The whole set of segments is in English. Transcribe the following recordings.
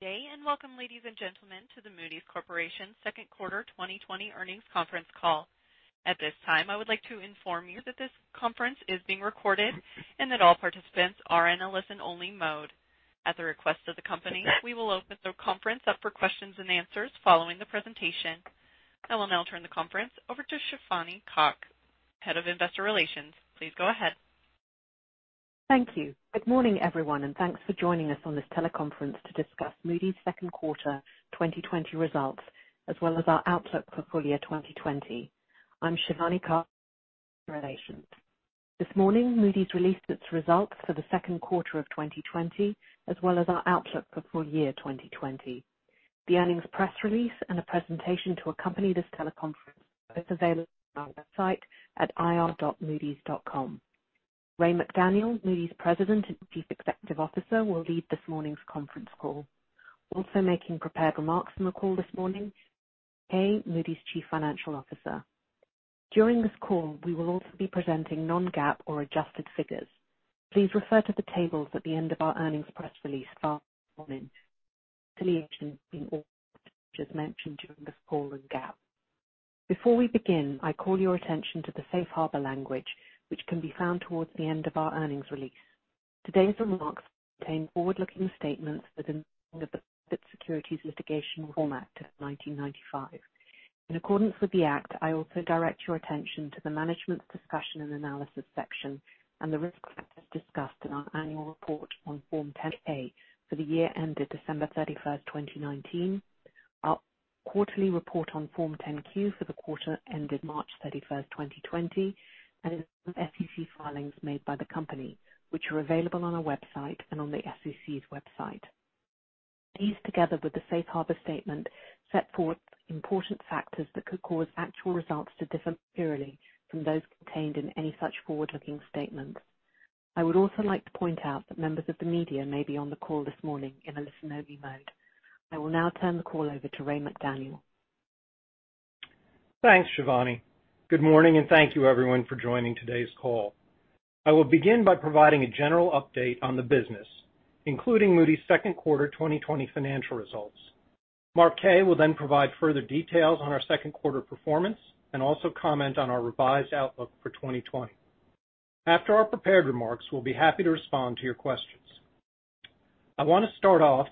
Good day, and welcome, ladies and gentlemen, to the Moody's Corporation second quarter 2020 earnings conference call. At this time, I would like to inform you that this conference is being recorded and that all participants are in a listen-only mode. At the request of the company, we will open the conference up for questions and answers following the presentation. I will now turn the conference over to Shivani Kak, Head of Investor Relations. Please go ahead. Thank you. Good morning, everyone, thanks for joining us on this teleconference to discuss Moody's second quarter 2020 results, as well as our outlook for full-year 2020. I'm Shivani Kak, Head of Investor Relations. This morning, Moody's released its results for the second quarter of 2020, as well as our outlook for full year 2020. The earnings press release and a presentation to accompany this teleconference are both available on our website at ir.moodys.com. Ray McDaniel, Moody's President and Chief Executive Officer, will lead this morning's conference call. Also making prepared remarks on the call this morning, Mark Kaye, Moody's Chief Financial Officer. During this call, we will also be presenting non-GAAP or adjusted figures. Please refer to the tables at the end of our earnings press release filed this morning for reconciliation in all differences mentioned during this call and GAAP. Before we begin, I call your attention to the safe harbor language, which can be found towards the end of our earnings release. Today's remarks contain forward-looking statements within the meaning of the Private Securities Litigation Reform Act of 1995. In accordance with the Act, I also direct your attention to the Management's Discussion and Analysis section and the risk factors discussed in our annual report on Form 10-K for the year ended December 31st, 2019, our quarterly report on Form 10-Q for the quarter ended March 31st, 2020, and in other SEC filings made by the company, which are available on our website and on the SEC's website. These, together with the safe harbor statement, set forth important factors that could cause actual results to differ materially from those contained in any such forward-looking statements. I would also like to point out that members of the media may be on the call this morning in a listen-only mode. I will now turn the call over to Ray McDaniel. Thanks, Shivani. Good morning, and thank you everyone for joining today's call. I will begin by providing a general update on the business, including Moody's second quarter 2020 financial results. Mark Kaye will then provide further details on our second quarter performance and also comment on our revised outlook for 2020. After our prepared remarks, we'll be happy to respond to your questions. I want to start off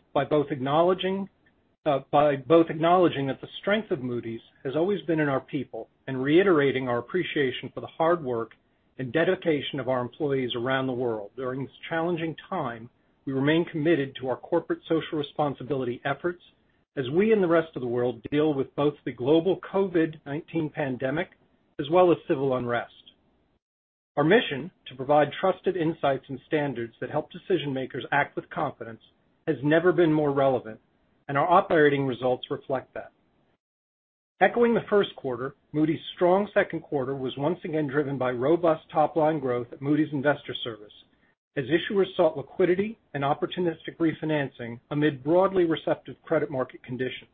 by both acknowledging that the strength of Moody's has always been in our people and reiterating our appreciation for the hard work and dedication of our employees around the world. During this challenging time, we remain committed to our corporate social responsibility efforts as we and the rest of the world deal with both the global COVID-19 pandemic as well as civil unrest. Our mission to provide trusted insights and standards that help decision makers act with confidence has never been more relevant, and our operating results reflect that. Echoing the first quarter, Moody's strong second quarter was once again driven by robust top-line growth at Moody's Investors Service as issuers sought liquidity and opportunistic refinancing amid broadly receptive credit market conditions.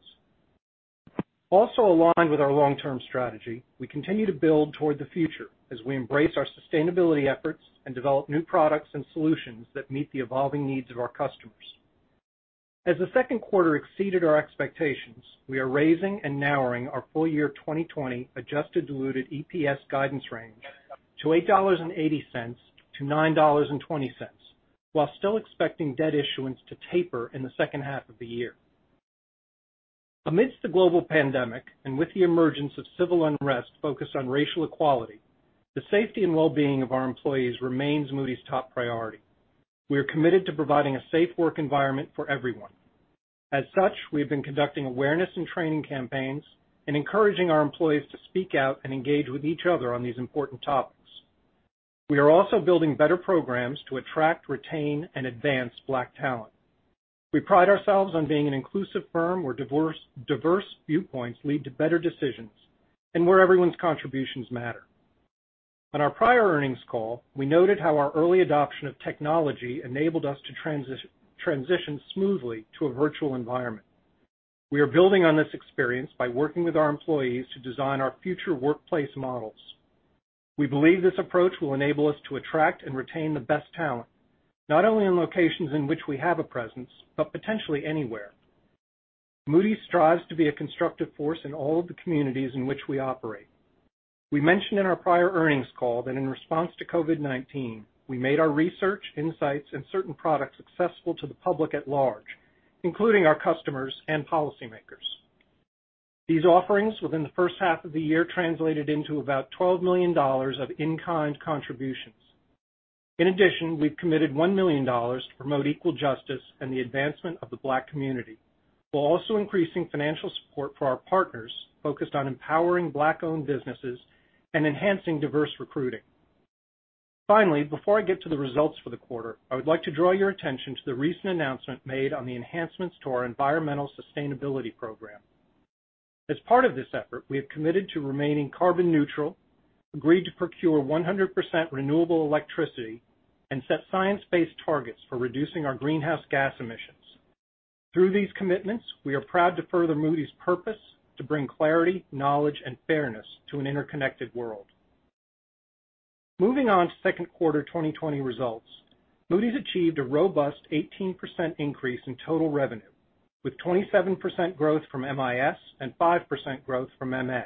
Also aligned with our long-term strategy, we continue to build toward the future as we embrace our sustainability efforts and develop new products and solutions that meet the evolving needs of our customers. As the second quarter exceeded our expectations, we are raising and narrowing our full-year 2020 adjusted diluted EPS guidance range to $8.80-$9.20, while still expecting debt issuance to taper in the second half of the year. Amidst the global pandemic and with the emergence of civil unrest focused on racial equality, the safety and wellbeing of our employees remains Moody's top priority. We are committed to providing a safe work environment for everyone. As such, we have been conducting awareness and training campaigns and encouraging our employees to speak out and engage with each other on these important topics. We are also building better programs to attract, retain, and advance Black talent. We pride ourselves on being an inclusive firm where diverse viewpoints lead to better decisions and where everyone's contributions matter. On our prior earnings call, we noted how our early adoption of technology enabled us to transition smoothly to a virtual environment. We are building on this experience by working with our employees to design our future workplace models. We believe this approach will enable us to attract and retain the best talent, not only in locations in which we have a presence, but potentially anywhere. Moody's strives to be a constructive force in all of the communities in which we operate. We mentioned in our prior earnings call that in response to COVID-19, we made our research, insights, and certain products accessible to the public at large, including our customers and policymakers. These offerings within the first half of the year translated into about $12 million of in-kind contributions. In addition, we've committed $1 million to promote equal justice and the advancement of the Black community, while also increasing financial support for our partners focused on empowering Black-owned businesses and enhancing diverse recruiting. Finally, before I get to the results for the quarter, I would like to draw your attention to the recent announcement made on the enhancements to our environmental sustainability program. As part of this effort, we have committed to remaining carbon neutral, agreed to procure 100% renewable electricity, and set science-based targets for reducing our greenhouse gas emissions. Through these commitments, we are proud to further Moody's purpose to bring clarity, knowledge, and fairness to an interconnected world. Moving on to second quarter 2020 results. Moody's achieved a robust 18% increase in total revenue, with 27% growth from MIS and 5% growth from MA.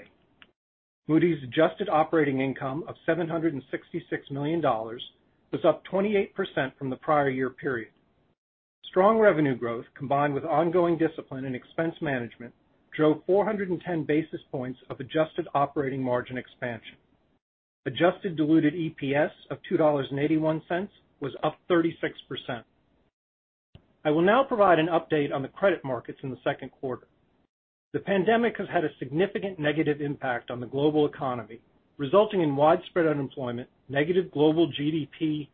Moody's adjusted operating income of $766 million was up 28% from the prior year period. Strong revenue growth, combined with ongoing discipline and expense management, drove 410 basis points of adjusted operating margin expansion. Adjusted diluted EPS of $2.81 was up 36%. I will now provide an update on the credit markets in the second quarter. The pandemic has had a significant negative impact on the global economy, resulting in widespread unemployment, negative global GDP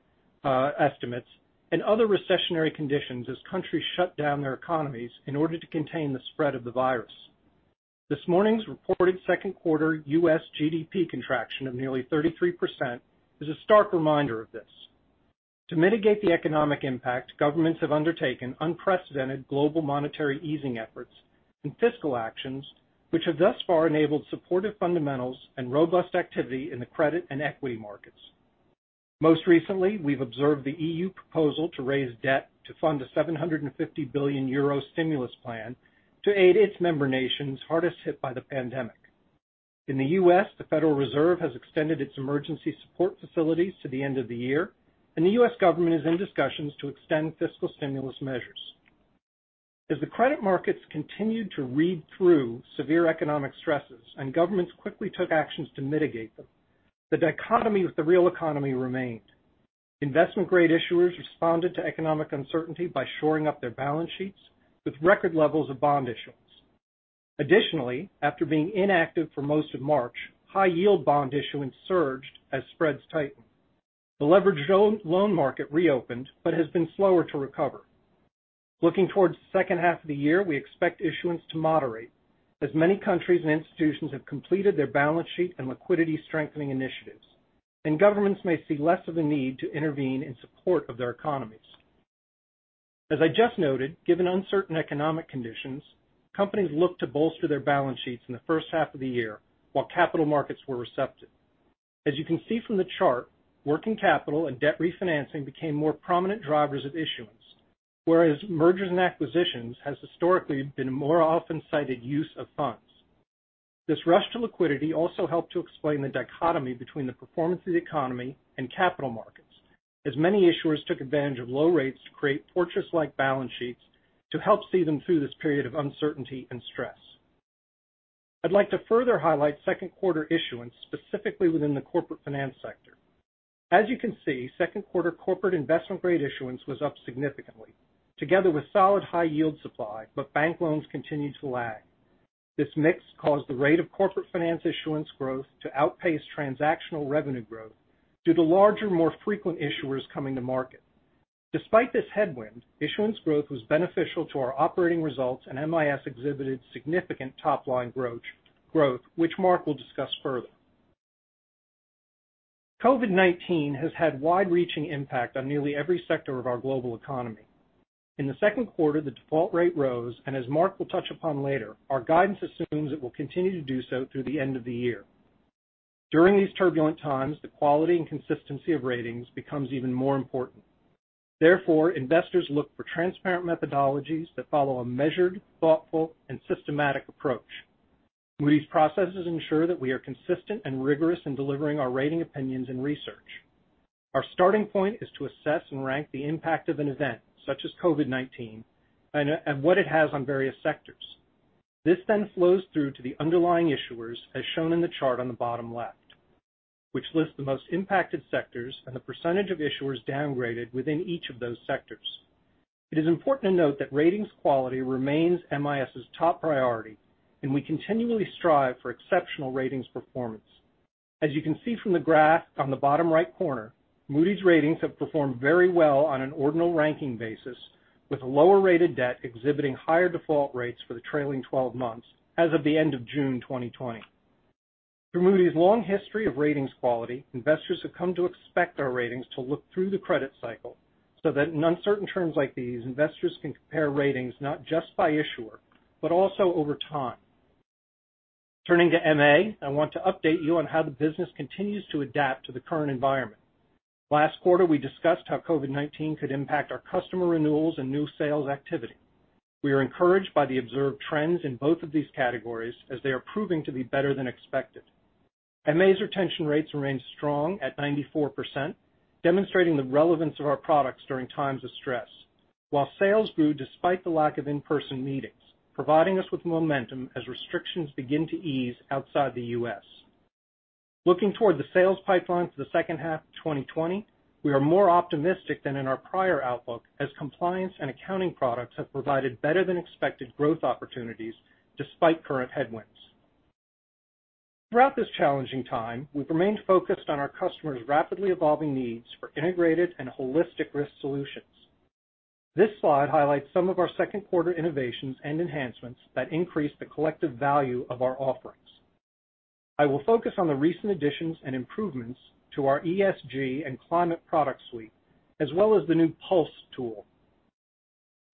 estimates, and other recessionary conditions as countries shut down their economies in order to contain the spread of the virus. This morning's reported second quarter U.S. GDP contraction of nearly 33% is a stark reminder of this. To mitigate the economic impact, governments have undertaken unprecedented global monetary easing efforts and fiscal actions, which have thus far enabled supportive fundamentals and robust activity in the credit and equity markets. Most recently, we've observed the EU proposal to raise debt to fund a 750 billion euro stimulus plan to aid its member nations hardest hit by the pandemic. In the U.S., the Federal Reserve has extended its emergency support facilities to the end of the year, and the U.S. government is in discussions to extend fiscal stimulus measures. As the credit markets continued to read through severe economic stresses and governments quickly took actions to mitigate them, the dichotomy with the real economy remained. Investment-grade issuers responded to economic uncertainty by shoring up their balance sheets with record levels of bond issuance. Additionally, after being inactive for most of March, high yield bond issuance surged as spreads tightened. The leveraged loan market reopened but has been slower to recover. Looking towards the second half of the year, we expect issuance to moderate as many countries and institutions have completed their balance sheet and liquidity strengthening initiatives, and governments may see less of a need to intervene in support of their economies. As I just noted, given uncertain economic conditions, companies looked to bolster their balance sheets in the first half of the year while capital markets were receptive. As you can see from the chart, working capital and debt refinancing became more prominent drivers of issuance, whereas mergers and acquisitions has historically been a more often cited use of funds. This rush to liquidity also helped to explain the dichotomy between the performance of the economy and capital markets, as many issuers took advantage of low rates to create fortress-like balance sheets to help see them through this period of uncertainty and stress. I'd like to further highlight second quarter issuance, specifically within the corporate finance sector. As you can see, second quarter corporate investment-grade issuance was up significantly, together with solid high yield supply, but bank loans continued to lag. This mix caused the rate of corporate finance issuance growth to outpace transactional revenue growth due to larger, more frequent issuers coming to market. Despite this headwind, issuance growth was beneficial to our operating results, and MIS exhibited significant top-line growth, which Mark will discuss further. COVID-19 has had wide-reaching impact on nearly every sector of our global economy. In the second quarter, the default rate rose, and as Mark will touch upon later, our guidance assumes it will continue to do so through the end of the year. During these turbulent times, the quality and consistency of ratings becomes even more important. Therefore, investors look for transparent methodologies that follow a measured, thoughtful and systematic approach. Moody's processes ensure that we are consistent and rigorous in delivering our rating opinions and research. Our starting point is to assess and rank the impact of an event, such as COVID-19, and what it has on various sectors. This flows through to the underlying issuers, as shown in the chart on the bottom left, which lists the most impacted sectors and the percentage of issuers downgraded within each of those sectors. It is important to note that ratings quality remains MIS' top priority, and we continually strive for exceptional ratings performance. As you can see from the graph on the bottom right corner, Moody's ratings have performed very well on an ordinal ranking basis, with lower-rated debt exhibiting higher default rates for the trailing 12 months as of the end of June 2020. Through Moody's long history of ratings quality, investors have come to expect our ratings to look through the credit cycle so that in uncertain terms like these, investors can compare ratings not just by issuer, but also over time. Turning to MA, I want to update you on how the business continues to adapt to the current environment. Last quarter, we discussed how COVID-19 could impact our customer renewals and new sales activity. We are encouraged by the observed trends in both of these categories, as they are proving to be better than expected. MA's retention rates remain strong at 94%, demonstrating the relevance of our products during times of stress. Sales grew despite the lack of in-person meetings, providing us with momentum as restrictions begin to ease outside the U.S. Looking toward the sales pipeline for the second half of 2020, we are more optimistic than in our prior outlook as compliance and accounting products have provided better than expected growth opportunities despite current headwinds. Throughout this challenging time, we've remained focused on our customers' rapidly evolving needs for integrated and holistic risk solutions. This slide highlights some of our second quarter innovations and enhancements that increase the collective value of our offerings. I will focus on the recent additions and improvements to our ESG and climate product suite, as well as the new Pulse tool.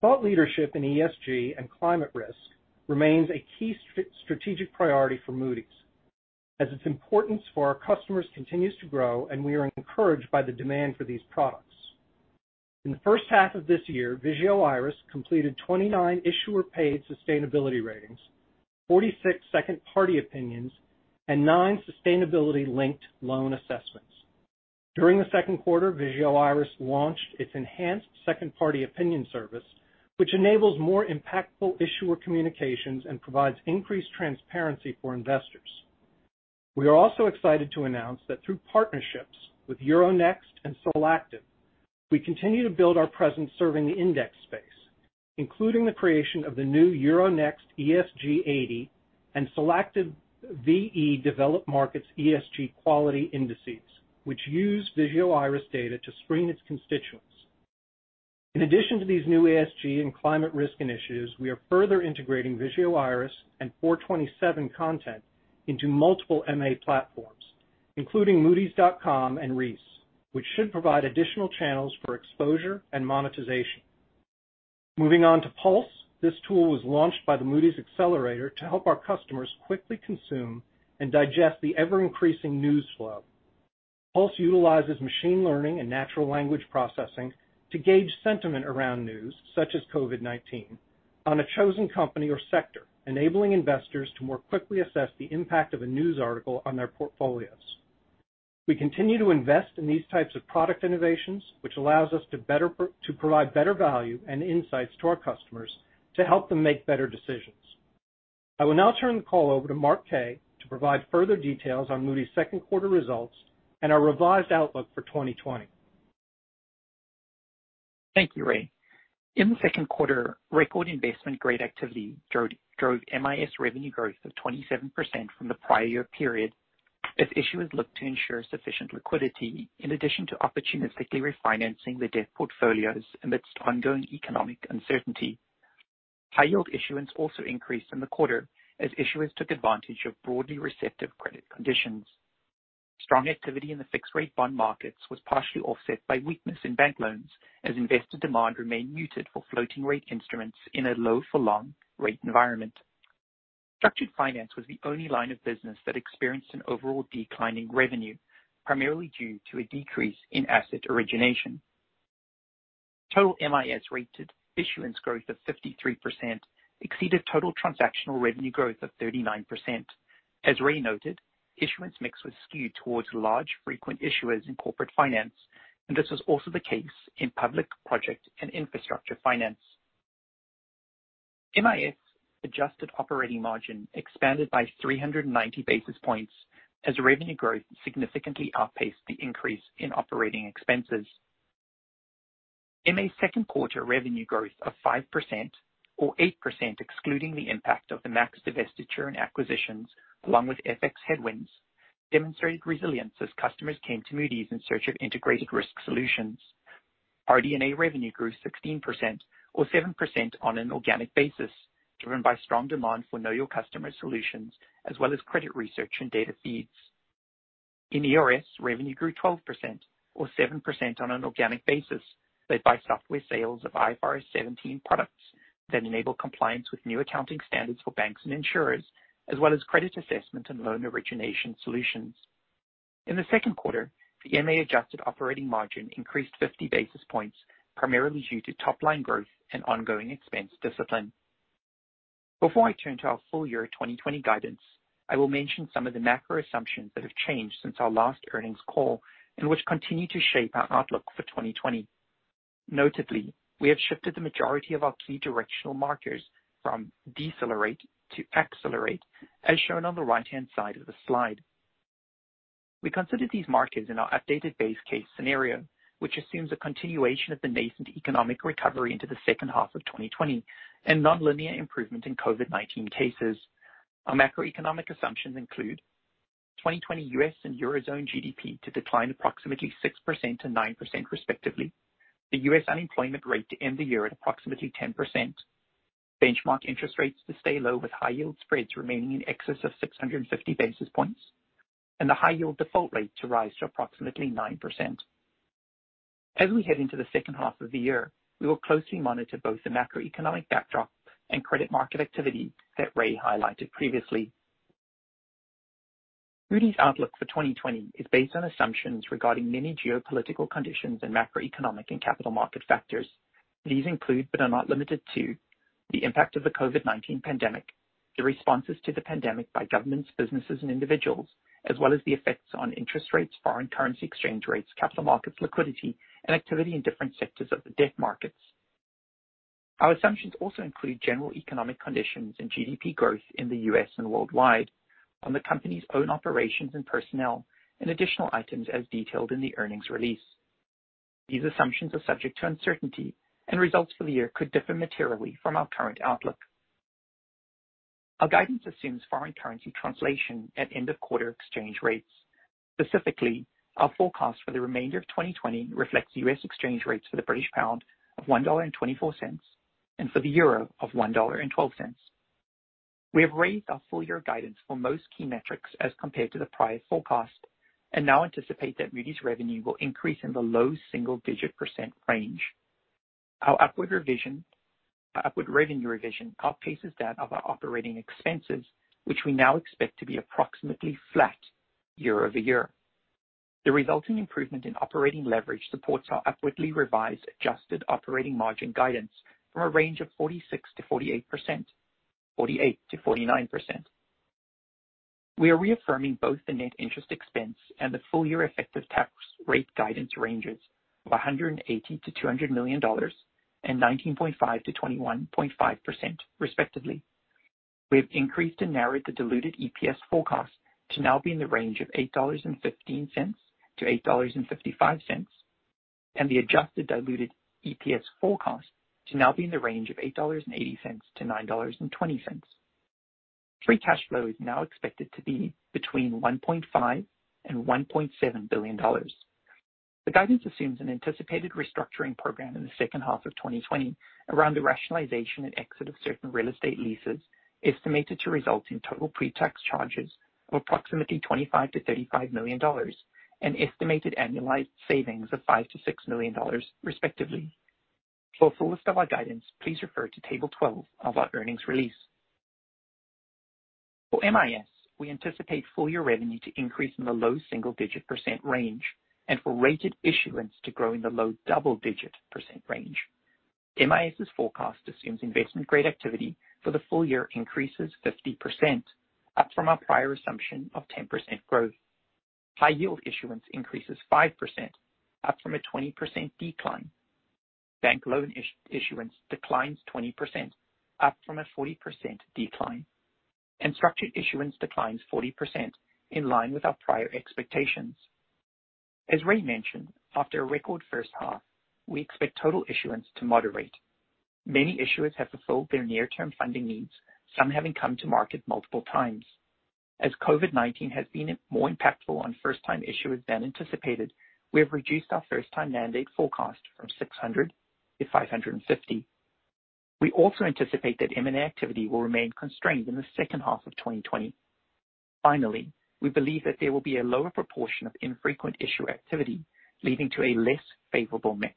Thought leadership in ESG and climate risk remains a key strategic priority for Moody's, as its importance for our customers continues to grow, and we are encouraged by the demand for these products. In the first half of this year, Vigeo Eiris completed 29 issuer paid sustainability ratings, 46 second party opinions, and nine sustainability linked loan assessments. During the second quarter, Vigeo Eiris launched its enhanced Second Party Opinion service, which enables more impactful issuer communications and provides increased transparency for investors. We are also excited to announce that through partnerships with Euronext and Solactive, we continue to build our presence serving the index space, including the creation of the new Euronext ESG 80 and Solactive VE Developed Markets ESG Quality indices, which use Vigeo Eiris data to screen its constituents. In addition to these new ESG and climate risk initiatives, we are further integrating Vigeo Eiris and Four Twenty Seven content into multiple MA platforms, including moodys.com and Reis, which should provide additional channels for exposure and monetization. Moving on to Pulse. This tool was launched by the Moody's Accelerator to help our customers quickly consume and digest the ever-increasing news flow. Pulse utilizes machine learning and natural language processing to gauge sentiment around news, such as COVID-19, on a chosen company or sector, enabling investors to more quickly assess the impact of a news article on their portfolios. We continue to invest in these types of product innovations, which allows us to provide better value and insights to our customers to help them make better decisions. I will now turn the call over to Mark Kaye to provide further details on Moody's second quarter results and our revised outlook for 2020. Thank you, Ray. In the second quarter, record investment-grade activity drove MIS revenue growth of 27% from the prior year period as issuers looked to ensure sufficient liquidity in addition to opportunistically refinancing their debt portfolios amidst ongoing economic uncertainty. High yield issuance also increased in the quarter as issuers took advantage of broadly receptive credit conditions. Strong activity in the fixed rate bond markets was partially offset by weakness in bank loans as investor demand remained muted for floating rate instruments in a low for long rate environment. Structured finance was the only line of business that experienced an overall decline in revenue, primarily due to a decrease in asset origination. Total MIS rated issuance growth of 53% exceeded total transactional revenue growth of 39%. As Ray noted, issuance mix was skewed towards large frequent issuers in corporate finance, and this was also the case in Public, Project and Infrastructure Finance. MIS adjusted operating margin expanded by 390 basis points as revenue growth significantly outpaced the increase in operating expenses. MA second quarter revenue growth of 5% or 8%, excluding the impact of the MAKS divestiture and acquisitions, along with FX headwinds, demonstrated resilience as customers came to Moody's in search of integrated risk solutions. RD&A revenue grew 16% or 7% on an organic basis, driven by strong demand for know your customer solutions, as well as credit research and data feeds. In ERS, revenue grew 12% or 7% on an organic basis, led by software sales of IFRS 17 products that enable compliance with new accounting standards for banks and insurers, as well as credit assessment and loan origination solutions. In the second quarter, the MA adjusted operating margin increased 50 basis points, primarily due to top-line growth and ongoing expense discipline. Before I turn to our full year 2020 guidance, I will mention some of the macro assumptions that have changed since our last earnings call and which continue to shape our outlook for 2020. Notably, we have shifted the majority of our key directional markers from decelerate to accelerate, as shown on the right-hand side of the slide. We consider these markers in our updated base case scenario, which assumes a continuation of the nascent economic recovery into the second half of 2020 and non-linear improvement in COVID-19 cases. Our macroeconomic assumptions include 2020 U.S. and Euro Zone GDP to decline approximately 6%-9% respectively, the U.S. unemployment rate to end the year at approximately 10%, benchmark interest rates to stay low with high yield spreads remaining in excess of 650 basis points, and the high yield default rate to rise to approximately 9%. As we head into the second half of the year, we will closely monitor both the macroeconomic backdrop and credit market activity that Ray highlighted previously. Moody's outlook for 2020 is based on assumptions regarding many geopolitical conditions and macroeconomic and capital market factors. These include, but are not limited to, the impact of the COVID-19 pandemic, the responses to the pandemic by governments, businesses, and individuals, as well as the effects on interest rates, foreign currency exchange rates, capital markets liquidity, and activity in different sectors of the debt markets. Our assumptions also include general economic conditions and GDP growth in the U.S. and worldwide on the company's own operations and personnel, and additional items as detailed in the earnings release. These assumptions are subject to uncertainty, and results for the year could differ materially from our current outlook. Our guidance assumes foreign currency translation at end of quarter exchange rates. Specifically, our forecast for the remainder of 2020 reflects U.S. exchange rates for the British pound of $1.24 and for the euro of $1.12. We have raised our full year guidance for most key metrics as compared to the prior forecast, and now anticipate that Moody's revenue will increase in the low single-digit percent range. Our upward revenue revision outpaces that of our operating expenses, which we now expect to be approximately flat year-over-year. The resulting improvement in operating leverage supports our upwardly revised adjusted operating margin guidance from a range of 46%-48% to 48%-49%. We are reaffirming both the net interest expense and the full year effective tax rate guidance ranges of $180 million-$200 million and 19.5%-21.5%, respectively. We have increased and narrowed the diluted EPS forecast to now be in the range of $8.15-$8.55. The adjusted diluted EPS forecast to now be in the range of $8.80-$9.20. Free cash flow is now expected to be between $1.5 billion and $1.7 billion. The guidance assumes an anticipated restructuring program in the second half of 2020 around the rationalization and exit of certain real estate leases, estimated to result in total pre-tax charges of approximately $25 million-$35 million, an estimated annualized savings of $5 million-$6 million, respectively. For a full list of our guidance, please refer to table 12 of our earnings release. For MIS, we anticipate full year revenue to increase in the low single-digit percent range, and for rated issuance to grow in the low double-digit percent range. MIS's forecast assumes investment-grade activity for the full year increases 50%, up from our prior assumption of 10% growth. High yield issuance increases 5%, up from a 20% decline. Bank loan issuance declines 20%, up from a 40% decline. Structured issuance declines 40%, in line with our prior expectations. As Ray mentioned, after a record first half, we expect total issuance to moderate. Many issuers have fulfilled their near-term funding needs, some having come to market multiple times. As COVID-19 has been more impactful on first-time issuers than anticipated, we have reduced our first-time mandate forecast from 600 to 550. We also anticipate that M&A activity will remain constrained in the second half of 2020. Finally, we believe that there will be a lower proportion of infrequent issuer activity, leading to a less favorable mix.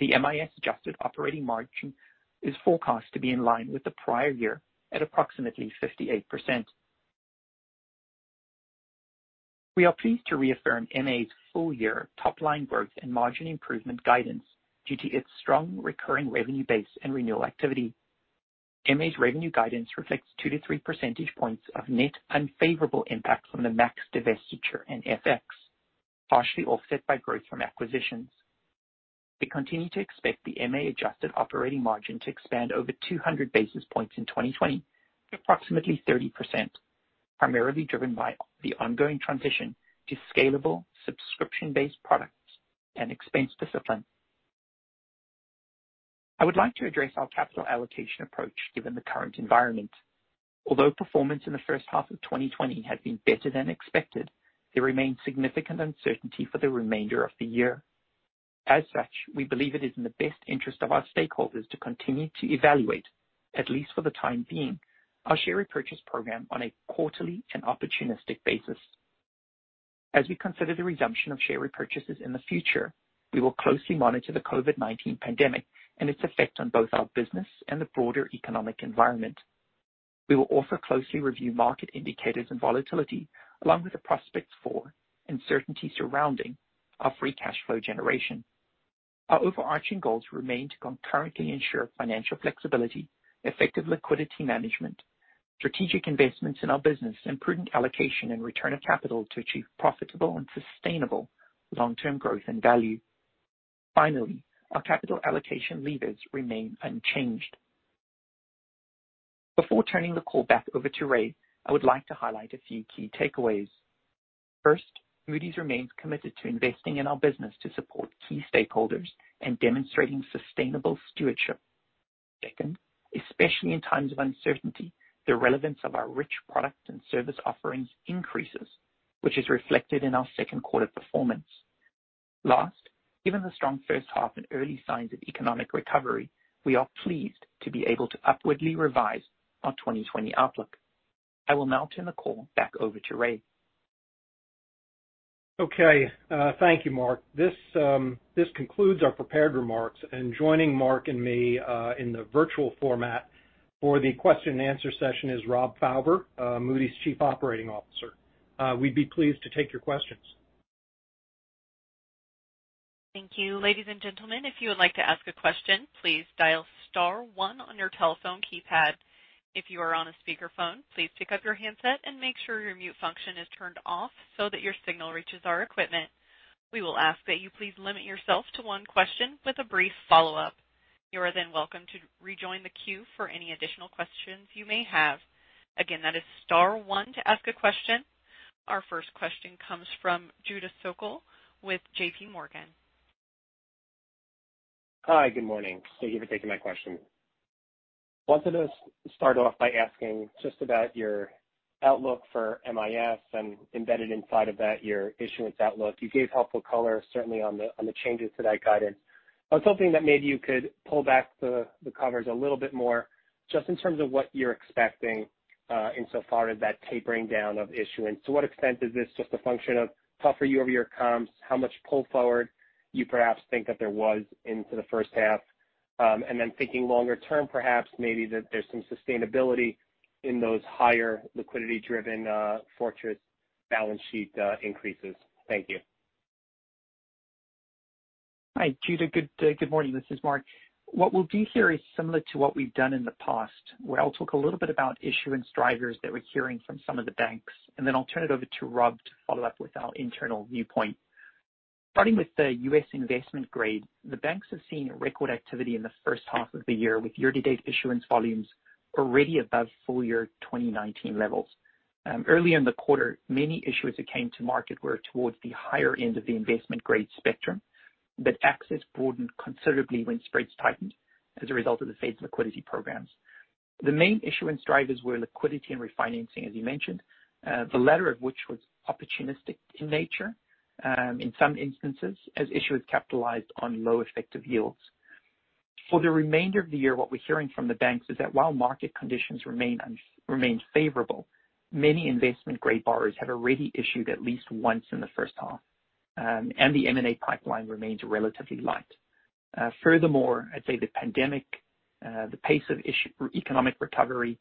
The MIS adjusted operating margin is forecast to be in line with the prior year at approximately 58%. We are pleased to reaffirm MA's full year top-line growth and margin improvement guidance due to its strong recurring revenue base and renewal activity. MA's revenue guidance reflects two to three percentage points of net unfavorable impact from the MAKS divestiture and FX, partially offset by growth from acquisitions. We continue to expect the MA adjusted operating margin to expand over 200 basis points in 2020 to approximately 30%, primarily driven by the ongoing transition to scalable subscription-based products and expense discipline. I would like to address our capital allocation approach given the current environment. Although performance in the first half of 2020 had been better than expected, there remains significant uncertainty for the remainder of the year. As such, we believe it is in the best interest of our stakeholders to continue to evaluate, at least for the time being, our share repurchase program on a quarterly and opportunistic basis. As we consider the resumption of share repurchases in the future, we will closely monitor the COVID-19 pandemic and its effect on both our business and the broader economic environment. We will also closely review market indicators and volatility, along with the prospects for, uncertainty surrounding, our free cash flow generation. Our overarching goals remain to concurrently ensure financial flexibility, effective liquidity management, strategic investments in our business, and prudent allocation and return of capital to achieve profitable and sustainable long-term growth and value. Finally, our capital allocation levers remain unchanged. Before turning the call back over to Ray, I would like to highlight a few key takeaways. First, Moody's remains committed to investing in our business to support key stakeholders and demonstrating sustainable stewardship. Second, especially in times of uncertainty, the relevance of our rich product and service offerings increases, which is reflected in our second quarter performance. Last, given the strong first half and early signs of economic recovery, we are pleased to be able to upwardly revise our 2020 outlook. I will now turn the call back over to Ray. Okay, thank you, Mark. This concludes our prepared remarks. Joining Mark and me in the virtual format for the question and answer session is Rob Fauber, Moody's Chief Operating Officer. We'd be pleased to take your questions. Thank you. Ladies and gentlemen, if you would like to ask a question, please dial star one on your telephone keypad. If you are on a speakerphone, please pick up your handset and make sure your mute function is turned off so that your signal reaches our equipment. We will ask that you please limit yourself to one question with a brief follow-up. You are then welcome to rejoin the queue for any additional questions you may have. Again, that is star one to ask a question. Our first question comes from Judah Sokel with JPMorgan. Hi, good morning. Thank you for taking my question. Wanted to start off by asking just about your outlook for MIS, embedded inside of that, your issuance outlook. You gave helpful color, certainly, on the changes to that guidance. I was hoping that maybe you could pull back the covers a little bit more, just in terms of what you're expecting insofar as that tapering down of issuance. To what extent is this just a function of tougher year-over-year comps? How much pull forward you perhaps think that there was into the first half? Thinking longer term, perhaps maybe that there's some sustainability in those higher liquidity-driven fortress balance sheet increases. Thank you. Hi, Judah. Good morning. This is Mark. What we'll do here is similar to what we've done in the past, where I'll talk a little bit about issuance drivers that we're hearing from some of the banks, and then I'll turn it over to Rob to follow up with our internal viewpoint. Starting with the U.S. investment-grade, the banks have seen record activity in the first half of the year, with year-to-date issuance volumes already above full-year 2019 levels. Early in the quarter, many issuers who came to market were towards the higher end of the investment-grade spectrum. Access broadened considerably when spreads tightened as a result of the Fed's liquidity programs. The main issuance drivers were liquidity and refinancing, as you mentioned, the latter of which was opportunistic in nature in some instances, as issuers capitalized on low effective yields. For the remainder of the year, what we're hearing from the banks is that while market conditions remain favorable, many investment-grade borrowers have already issued at least once in the first half, and the M&A pipeline remains relatively light. Furthermore, I'd say the pandemic, the pace of economic recovery,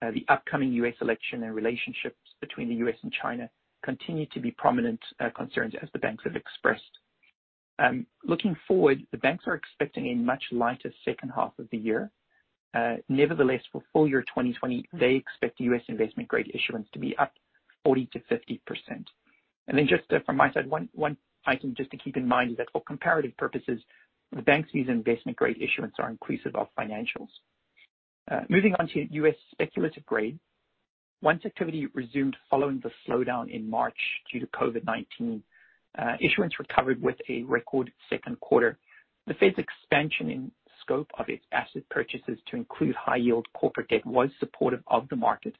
the upcoming U.S. election, and relationships between the U.S. and China continue to be prominent concerns as the banks have expressed. Looking forward, the banks are expecting a much lighter second half of the year. Nevertheless, for full-year 2020, they expect U.S. investment-grade issuance to be up 40%-50%. Just from my side, one item just to keep in mind is that for comparative purposes, the banks view investment-grade issuance are inclusive of financials. Moving on to U.S. speculative grade. Once activity resumed following the slowdown in March due to COVID-19, issuance recovered with a record second quarter. The Fed's expansion in scope of its asset purchases to include high-yield corporate debt was supportive of the market,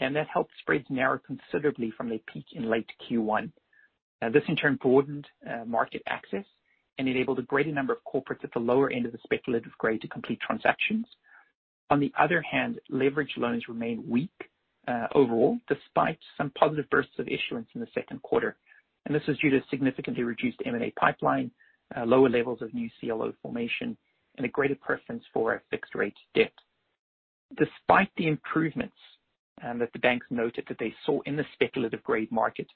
and that helped spreads narrow considerably from their peak in late Q1. This in turn broadened market access and enabled a greater number of corporates at the lower end of the speculative grade to complete transactions. On the other hand, leverage loans remained weak overall, despite some positive bursts of issuance in the second quarter, and this is due to significantly reduced M&A pipeline, lower levels of new CLO formation, and a greater preference for fixed-rate debt. Despite the improvements that the banks noted that they saw in the speculative grade market,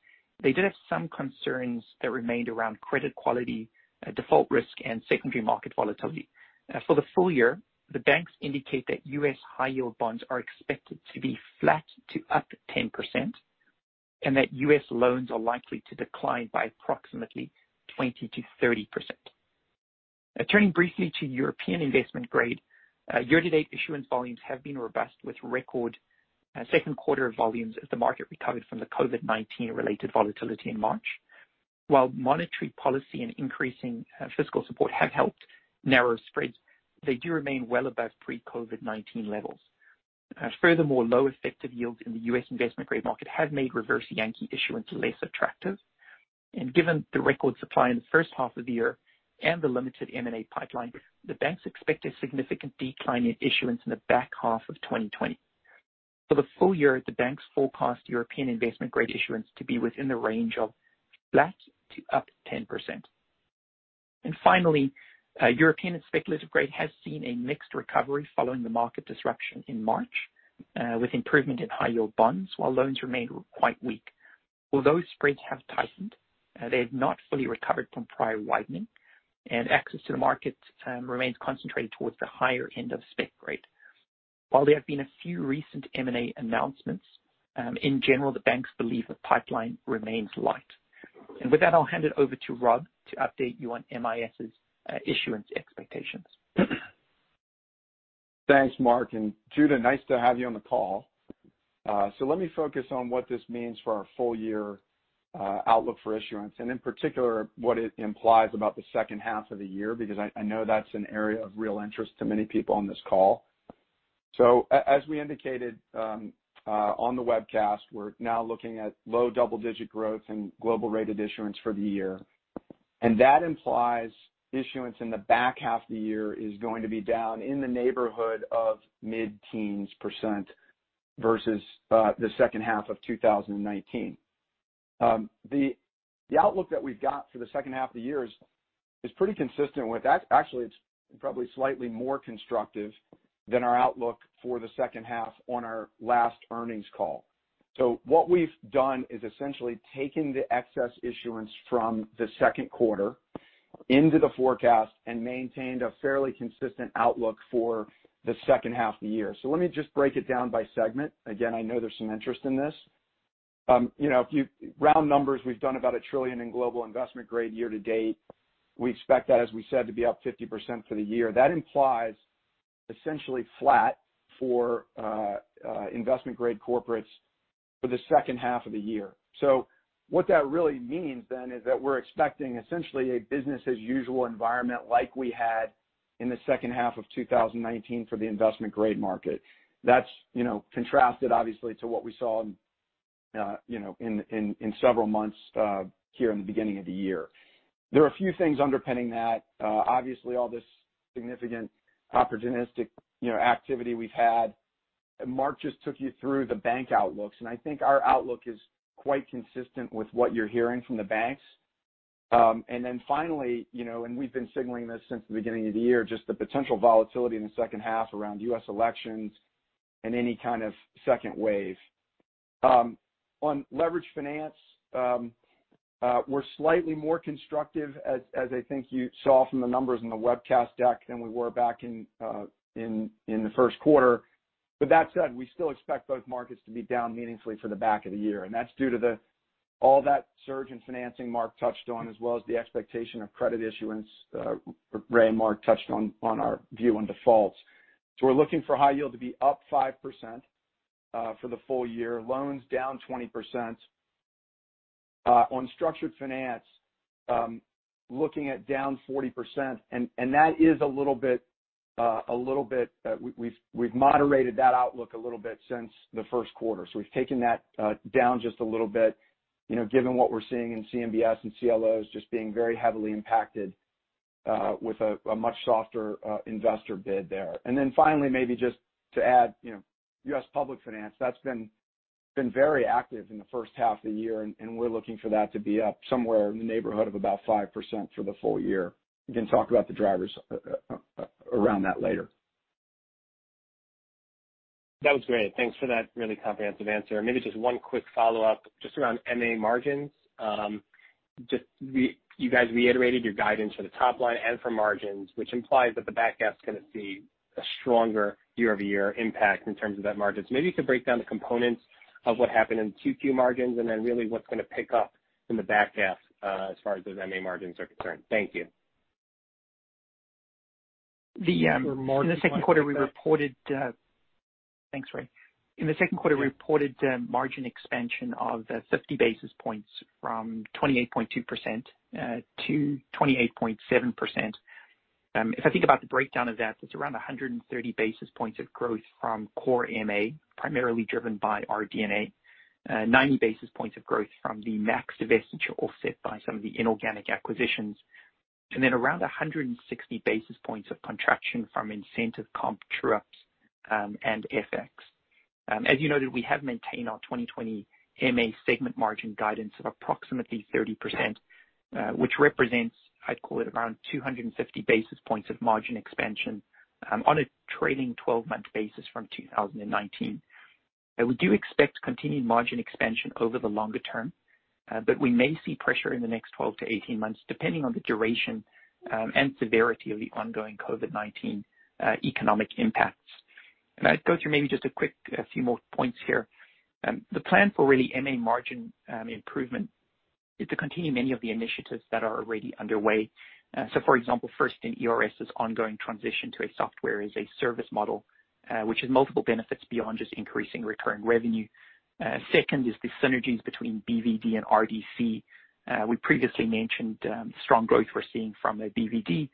they did have some concerns that remained around credit quality, default risk, and secondary market volatility. For the full year, the banks indicate that U.S. high-yield bonds are expected to be flat to up 10%, and that U.S. loans are likely to decline by approximately 20%-30%. Turning briefly to European investment grade. Year-to-date issuance volumes have been robust, with record second quarter volumes as the market recovered from the COVID-19-related volatility in March. While monetary policy and increasing fiscal support have helped narrow spreads, they do remain well above pre-COVID-19 levels. Furthermore, low effective yields in the U.S. investment-grade market have made reverse Yankee issuance less attractive. Given the record supply in the first half of the year and the limited M&A pipeline, the banks expect a significant decline in issuance in the back half of 2020. For the full year, the banks forecast European investment-grade issuance to be within the range of flat to up 10%. Finally, European speculative grade has seen a mixed recovery following the market disruption in March, with improvement in high-yield bonds while loans remained quite weak. Although spreads have tightened, they have not fully recovered from prior widening, and access to the market remains concentrated towards the higher end of spec grade. While there have been a few recent M&A announcements, in general, the banks believe the pipeline remains light. With that, I'll hand it over to Rob to update you on MIS' issuance expectations. Thanks, Mark, and Judah, nice to have you on the call. Let me focus on what this means for our full-year outlook for issuance, and in particular, what it implies about the second half of the year, because I know that's an area of real interest to many people on this call. As we indicated on the webcast, we're now looking at low double-digit growth in global rated issuance for the year, and that implies issuance in the back half of the year is going to be down in the neighborhood of mid-teens percent versus the second half of 2019. The outlook that we've got for the second half of the year is pretty consistent with that. Actually, it's probably slightly more constructive than our outlook for the second half on our last earnings call. What we've done is essentially taken the excess issuance from the second quarter into the forecast and maintained a fairly consistent outlook for the second half of the year. Let me just break it down by segment. Again, I know there's some interest in this. Round numbers, we've done about $1 trillion in global investment-grade year to date. We expect that, as we said, to be up 50% for the year. That implies essentially flat for investment-grade corporates for the second half of the year. What that really means then is that we're expecting essentially a business as usual environment like we had in the second half of 2019 for the investment-grade market. That's contrasted obviously to what we saw in several months here in the beginning of the year. There are a few things underpinning that. Obviously, all this significant opportunistic activity we've had. Mark just took you through the bank outlooks. I think our outlook is quite consistent with what you're hearing from the banks. Finally, we've been signaling this since the beginning of the year, just the potential volatility in the second half around U.S. elections and any kind of second wave. On leveraged finance, we're slightly more constructive as I think you saw from the numbers in the webcast deck than we were back in the first quarter. That said, we still expect both markets to be down meaningfully for the back of the year. That's due to all that surge in financing Mark touched on, as well as the expectation of credit issuance Ray and Mark touched on our view on defaults. We're looking for high yield to be up 5% for the full year, loans down 20%. On structured finance, looking at down 40%. We've moderated that outlook a little bit since the first quarter. We've taken that down just a little bit, given what we're seeing in CMBS and CLOs just being very heavily impacted with a much softer investor bid there. Finally, maybe just to add, U.S. public finance, that's been very active in the first half of the year. We're looking for that to be up somewhere in the neighborhood of about 5% for the full year. We can talk about the drivers around that later. That was great. Thanks for that really comprehensive answer. Maybe just one quick follow-up, just around MA margins. You guys reiterated your guidance for the top line and for margins, which implies that the back half's going to see a stronger year-over-year impact in terms of net margins. Maybe you could break down the components of what happened in 2Q margins, and then really what's going to pick up in the back half as far as those MA margins are concerned. Thank you. The- For margin- In the second quarter, we reported margin expansion of 50 basis points from 28.2%-28.7%. Thanks, Ray. In the second quarter, we reported margin expansion of 50 basis points from 28.2%-28.7%. If I think about the breakdown of that, it's around 130 basis points of growth from core MA, primarily driven by our D&A. 90 basis points of growth from the MAKS divestiture offset by some of the inorganic acquisitions, and then around 160 basis points of contraction from incentive comp true-ups and FX. As you noted, we have maintained our 2020 MA segment margin guidance of approximately 30%, which represents, I'd call it, around 250 basis points of margin expansion on a trailing 12-month basis from 2019. We do expect continued margin expansion over the longer term, but we may see pressure in the next 12-18 months, depending on the duration and severity of the ongoing COVID-19 economic impacts. I'd go through maybe just a quick few more points here. The plan for really MA margin improvement is to continue many of the initiatives that are already underway. So for example, first in ERS's ongoing transition to a software as a service model, which has multiple benefits beyond just increasing recurring revenue. Second is the synergies between BVD and RDC. We previously mentioned strong growth we're seeing from the BVD,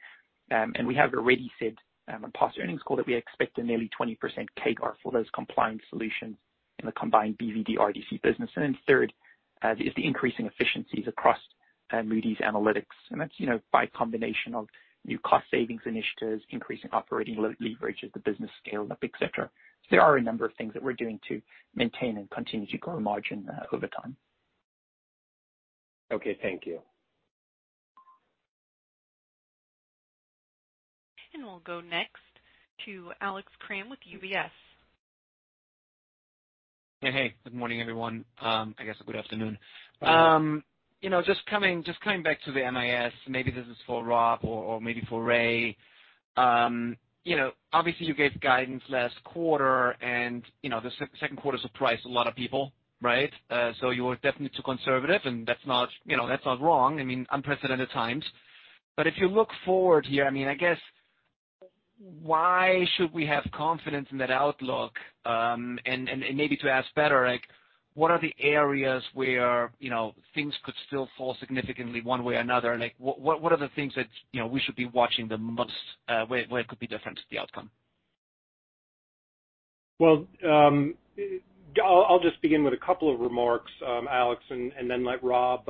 and we have already said on past earnings call that we expect a nearly 20% CAGR for those compliance solutions in the combined BVD RDC business. Third is the increasing efficiencies across Moody's Analytics. And that's by combination of new cost savings initiatives, increasing operating leverage as the business scale up, et cetera. So there are a number of things that we're doing to maintain and continue to grow margin over time. Okay, thank you. We'll go next to Alex Kramm with UBS. Hey. Good morning, everyone. I guess good afternoon. Just coming back to the MIS, maybe this is for Rob or maybe for Ray. Obviously, you gave guidance last quarter. The second quarter surprised a lot of people, right? You were definitely too conservative. That's not wrong. I mean, unprecedented times. If you look forward here, I guess, why should we have confidence in that outlook? Maybe to ask better, what are the areas where things could still fall significantly one way or another? What are the things that we should be watching the most where it could be different to the outcome? Well, I'll just begin with a couple of remarks, Alex, and then let Rob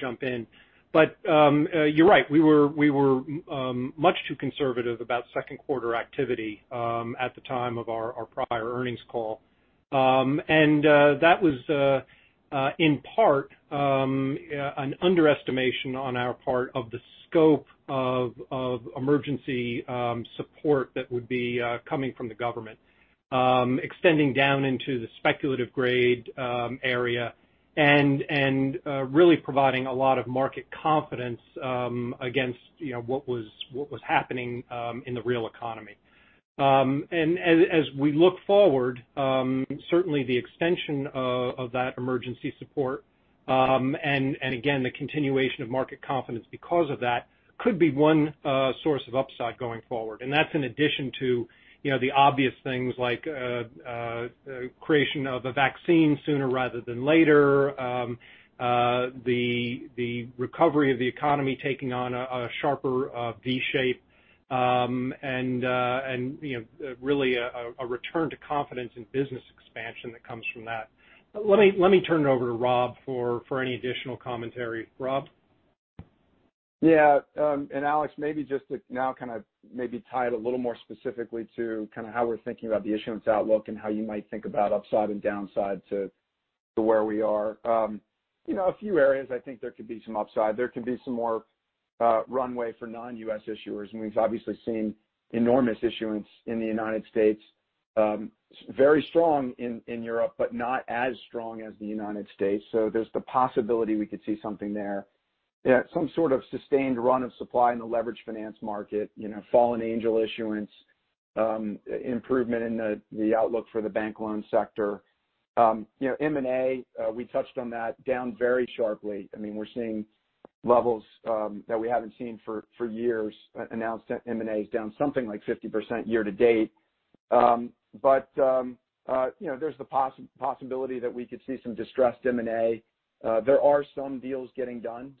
jump in. You're right. We were much too conservative about second quarter activity at the time of our prior earnings call. That was, in part, an underestimation on our part of the scope of emergency support that would be coming from the government, extending down into the speculative grade area and really providing a lot of market confidence against what was happening in the real economy. As we look forward, certainly the extension of that emergency support, and again, the continuation of market confidence because of that, could be one source of upside going forward. That's in addition to the obvious things like creation of a vaccine sooner rather than later, the recovery of the economy taking on a sharper V shape, and really a return to confidence in business expansion that comes from that. Let me turn it over to Rob for any additional commentary. Rob? Yeah. Alex, maybe just to now kind of maybe tie it a little more specifically to kind of how we're thinking about the issuance outlook and how you might think about upside and downside to where we are. A few areas I think there could be some upside. There could be some more runway for non-U.S. issuers, and we've obviously seen enormous issuance in the United States. Very strong in Europe, but not as strong as the United States. There's the possibility we could see something there. Some sort of sustained run of supply in the leverage finance market, fallen angel issuance, improvement in the outlook for the bank loan sector. M&A, we touched on that, down very sharply. We're seeing levels that we haven't seen for years announced that M&A is down something like 50% year to date. There's the possibility that we could see some distressed M&A. There are some deals getting done,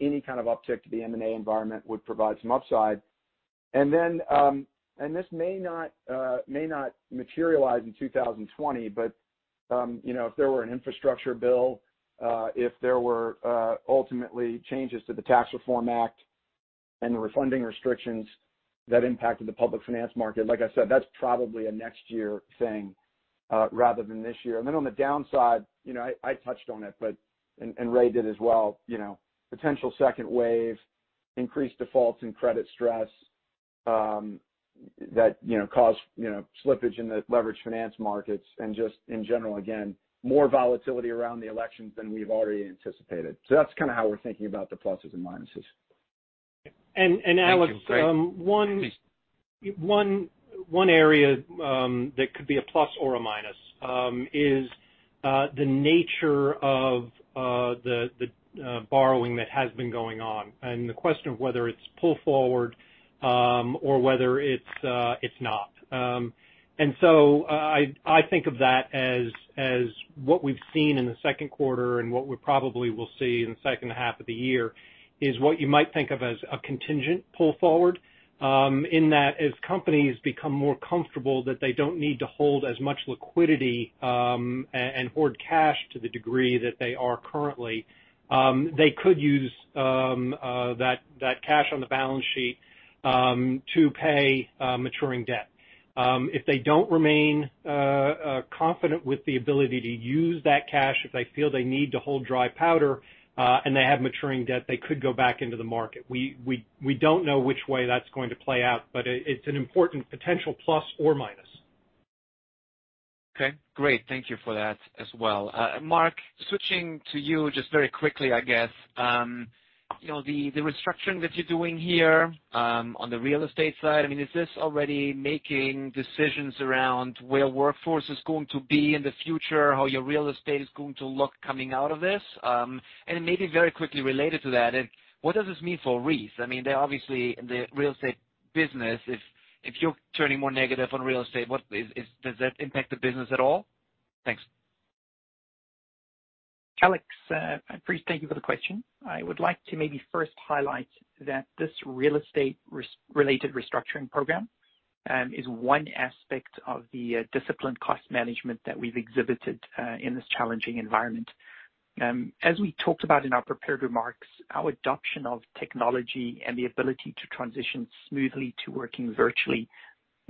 any kind of uptick to the M&A environment would provide some upside. This may not materialize in 2020, but if there were an infrastructure bill, if there were ultimately changes to the Tax Reform Act and the refunding restrictions that impacted the public finance market, like I said, that's probably a next year thing rather than this year. On the downside, I touched on it, and Ray did as well, potential second wave, increased defaults and credit stress that cause slippage in the leverage finance markets and just in general, again, more volatility around the elections than we've already anticipated. That's kind of how we're thinking about the pluses and minuses. Alex- Thank you. Great. One area that could be a plus or a minus is the nature of the borrowing that has been going on, and the question of whether it's pull forward or whether it's not. I think of that as what we've seen in the second quarter and what we probably will see in the second half of the year is what you might think of as a contingent pull forward, in that as companies become more comfortable that they don't need to hold as much liquidity and hoard cash to the degree that they are currently, they could use that cash on the balance sheet to pay maturing debt. If they don't remain confident with the ability to use that cash, if they feel they need to hold dry powder, and they have maturing debt, they could go back into the market. We don't know which way that's going to play out, but it's an important potential plus or minus. Okay, great. Thank you for that as well. Mark, switching to you just very quickly, I guess. The restructuring that you're doing here on the real estate side, is this already making decisions around where workforce is going to be in the future, how your real estate is going to look coming out of this? Maybe very quickly related to that, what does this mean for Reis? Obviously, the real estate business, if you're turning more negative on real estate, does that impact the business at all? Thanks. Alex, thank you for the question. I would like to maybe first highlight that this real estate-related restructuring program is one aspect of the disciplined cost management that we've exhibited in this challenging environment. As we talked about in our prepared remarks, our adoption of technology and the ability to transition smoothly to working virtually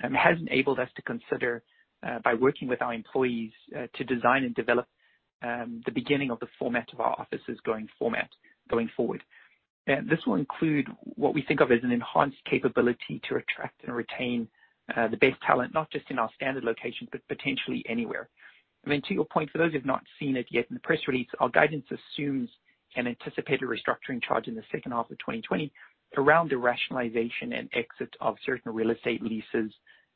has enabled us to consider by working with our employees to design and develop the beginning of the format of our offices going forward. This will include what we think of as an enhanced capability to attract and retain the best talent, not just in our standard location, but potentially anywhere. To your point, for those who've not seen it yet in the press release, our guidance assumes an anticipated restructuring charge in the second half of 2020 around the rationalization and exit of certain real estate leases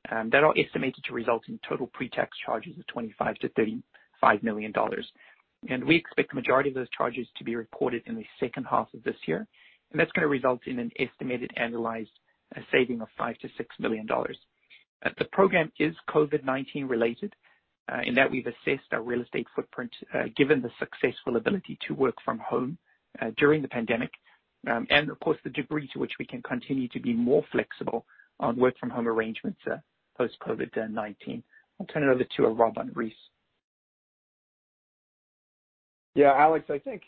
that are estimated to result in total pre-tax charges of $25 million-$35 million. We expect the majority of those charges to be reported in the second half of this year. That's going to result in an estimated annualized saving of $5 million-$6 million. The program is COVID-19 related, in that we've assessed our real estate footprint given the successful ability to work from home during the pandemic, and of course, the degree to which we can continue to be more flexible on work from home arrangements post-COVID-19. I'll turn it over to Rob on Reis. Yeah, Alex, I think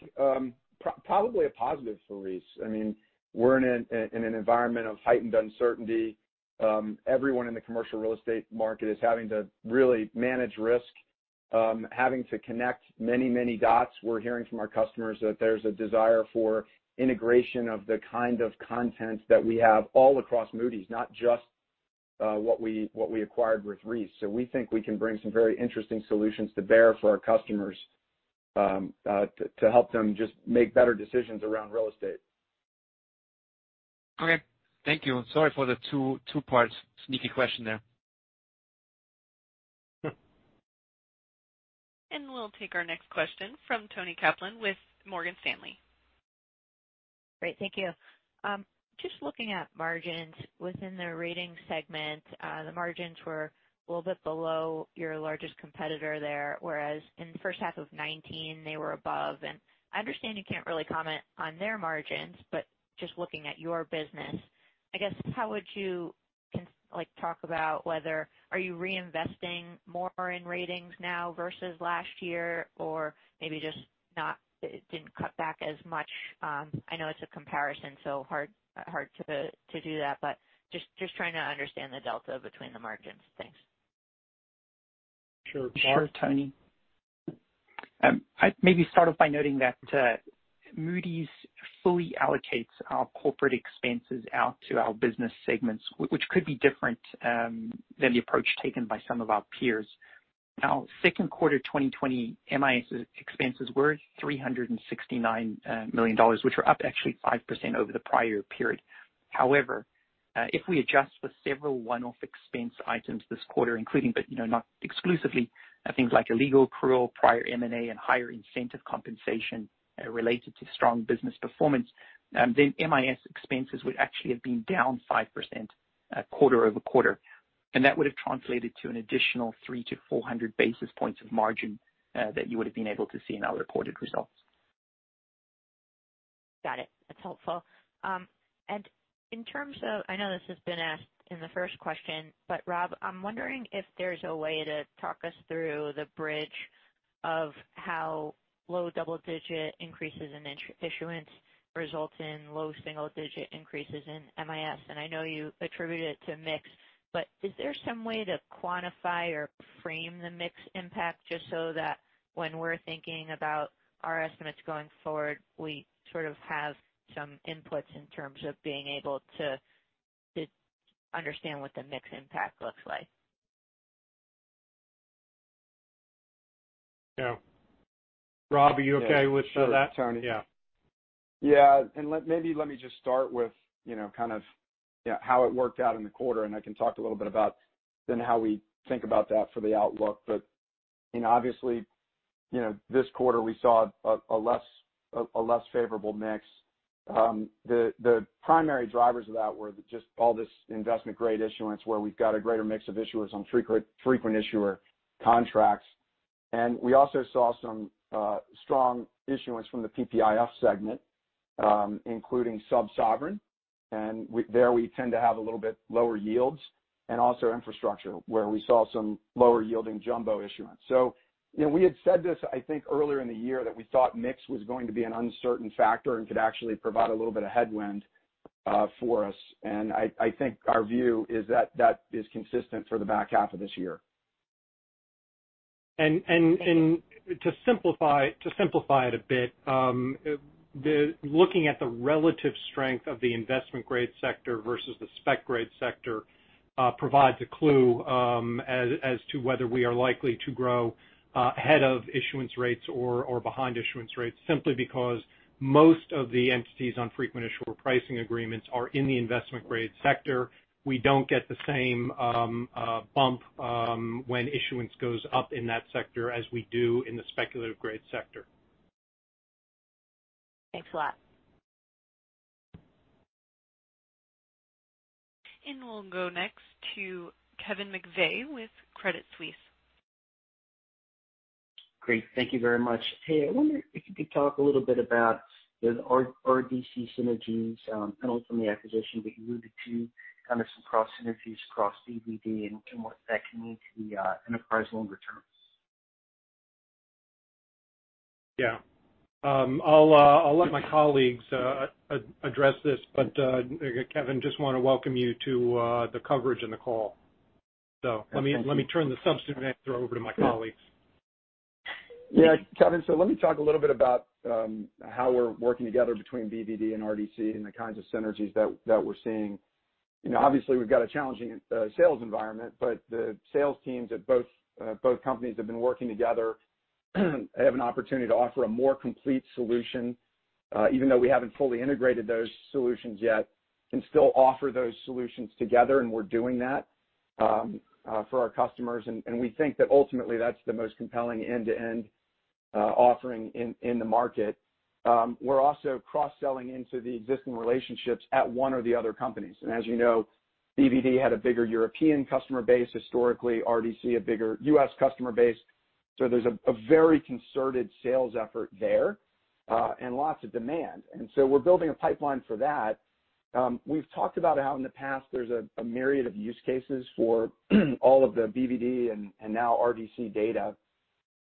probably a positive for Reis. We're in an environment of heightened uncertainty. Everyone in the commercial real estate market is having to really manage risk, having to connect many, many dots. We're hearing from our customers that there's a desire for integration of the kind of content that we have all across Moody's, not just what we acquired with Reis. We think we can bring some very interesting solutions to bear for our customers to help them just make better decisions around real estate. Okay. Thank you. Sorry for the two-part sneaky question there. We'll take our next question from Toni Kaplan with Morgan Stanley. Great. Thank you. Just looking at margins within the ratings segment, the margins were a little bit below your largest competitor there, whereas in the first half of 2019, they were above. I understand you can't really comment on their margins, but just looking at your business, I guess how would you talk about whether are you reinvesting more in ratings now versus last year? Maybe just didn't cut back as much? I know it's a comparison, so hard to do that, but just trying to understand the delta between the margins. Thanks. Sure. Mark? Sure, Toni. I'd maybe start off by noting that Moody's fully allocates our corporate expenses out to our business segments, which could be different than the approach taken by some of our peers. Now, second quarter 2020 MIS expenses were $369 million, which were up actually 5% over the prior period. However, if we adjust for several one-off expense items this quarter, including, but not exclusively, things like a legal accrual, prior M&A, and higher incentive compensation related to strong business performance, then MIS expenses would actually have been down 5% quarter-over-quarter. That would have translated to an additional 300-400 basis points of margin that you would have been able to see in our reported results. Got it. That's helpful. In terms of, I know this has been asked in the first question, but Rob, I'm wondering if there's a way to talk us through the bridge of how low double-digit increases in issuance results in low single-digit increases in MIS. I know you attribute it to mix, but is there some way to quantify or frame the mix impact just so that when we're thinking about our estimates going forward, we sort of have some inputs in terms of being able to understand what the mix impact looks like? Yeah. Rob, are you okay with that? Yeah. Sure, Toni. Yeah. Yeah. Maybe let me just start with kind of how it worked out in the quarter, and I can talk a little bit about then how we think about that for the outlook. Obviously, this quarter we saw a less favorable mix. The primary drivers of that were just all this investment-grade issuance, where we've got a greater mix of issuers on frequent issuer contracts. We also saw some strong issuance from the PPIF segment including sub-sovereign. There we tend to have a little bit lower yields and also infrastructure, where we saw some lower yielding jumbo issuance. We had said this, I think, earlier in the year that we thought mix was going to be an uncertain factor and could actually provide a little bit of headwind for us. I think our view is that is consistent for the back half of this year. To simplify it a bit, looking at the relative strength of the investment-grade sector versus the spec-grade sector provides a clue as to whether we are likely to grow ahead of issuance rates or behind issuance rates, simply because most of the entities on frequent issuer pricing agreements are in the investment-grade sector. We don't get the same bump when issuance goes up in that sector as we do in the speculative grade sector. Thanks a lot. We'll go next to Kevin McVeigh with Credit Suisse. Great. Thank you very much. Hey, I wonder if you could talk a little bit about the RDC synergies and also from the acquisition that you alluded to, kind of some cross synergies across BVD and what that can mean to the enterprise loan returns? Yeah. I'll let my colleagues address this. Kevin, I just want to welcome you to the coverage and the call. Thank you. Let me turn the substantive answer over to my colleagues. Yeah, Kevin, let me talk a little bit about how we're working together between BVD and RDC and the kinds of synergies that we're seeing. Obviously, we've got a challenging sales environment, the sales teams at both companies have been working together. They have an opportunity to offer a more complete solution even though we haven't fully integrated those solutions yet, can still offer those solutions together, we're doing that for our customers. We think that ultimately that's the most compelling end-to-end offering in the market. We're also cross-selling into the existing relationships at one or the other companies. As you know, BVD had a bigger European customer base historically, RDC a bigger U.S. customer base. There's a very concerted sales effort there and lots of demand. We're building a pipeline for that. We've talked about how in the past there's a myriad of use cases for all of the BVD and now RDC data,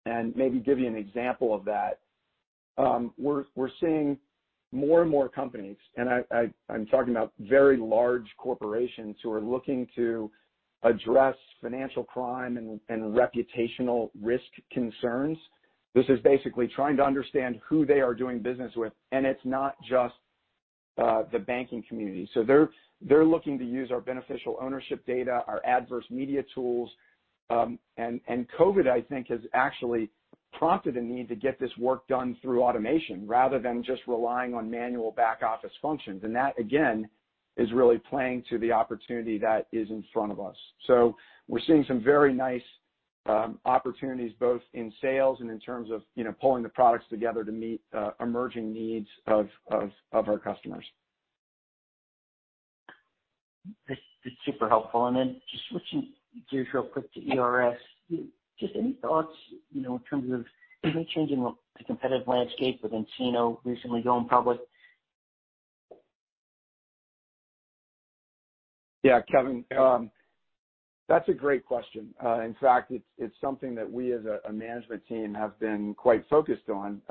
and maybe give you an example of that. We're seeing more and more companies, and I'm talking about very large corporations who are looking to address financial crime and reputational risk concerns. This is basically trying to understand who they are doing business with, and it's not just the banking community. They're looking to use our beneficial ownership data, our adverse media tools. COVID, I think, has actually prompted a need to get this work done through automation rather than just relying on manual back-office functions. That, again, is really playing to the opportunity that is in front of us. We're seeing some very nice opportunities both in sales and in terms of pulling the products together to meet emerging needs of our customers. That's super helpful. Just switching gears real quick to ERS. Just any thoughts in terms of any change in the competitive landscape with nCino recently going public? Yeah, Kevin, that's a great question. In fact, it's something that we as a management team have been quite focused on.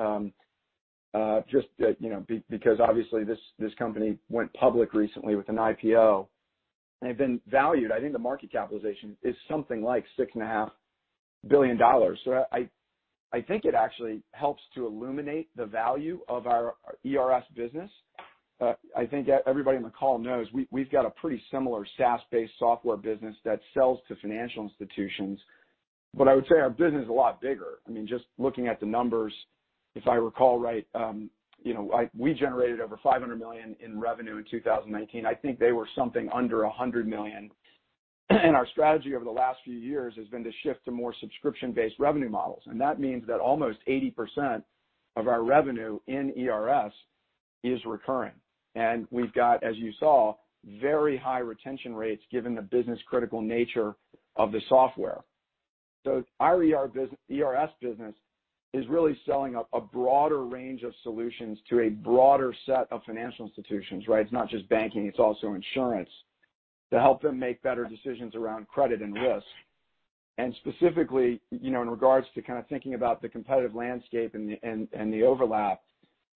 Because obviously this company went public recently with an IPO and have been valued, I think the market capitalization is something like $6.5 billion. I think it actually helps to illuminate the value of our ERS business. I think everybody on the call knows we've got a pretty similar SaaS-based software business that sells to financial institutions, but I would say our business is a lot bigger. Just looking at the numbers, if I recall right, we generated over $500 million in revenue in 2019. I think they were something under $100 million. Our strategy over the last few years has been to shift to more subscription-based revenue models. That means that almost 80% of our revenue in ERS is recurring. We've got, as you saw, very high retention rates given the business-critical nature of the software. Our ERS business is really selling a broader range of solutions to a broader set of financial institutions, right? It's not just banking, it's also insurance to help them make better decisions around credit and risk. Specifically, in regards to kind of thinking about the competitive landscape and the overlap,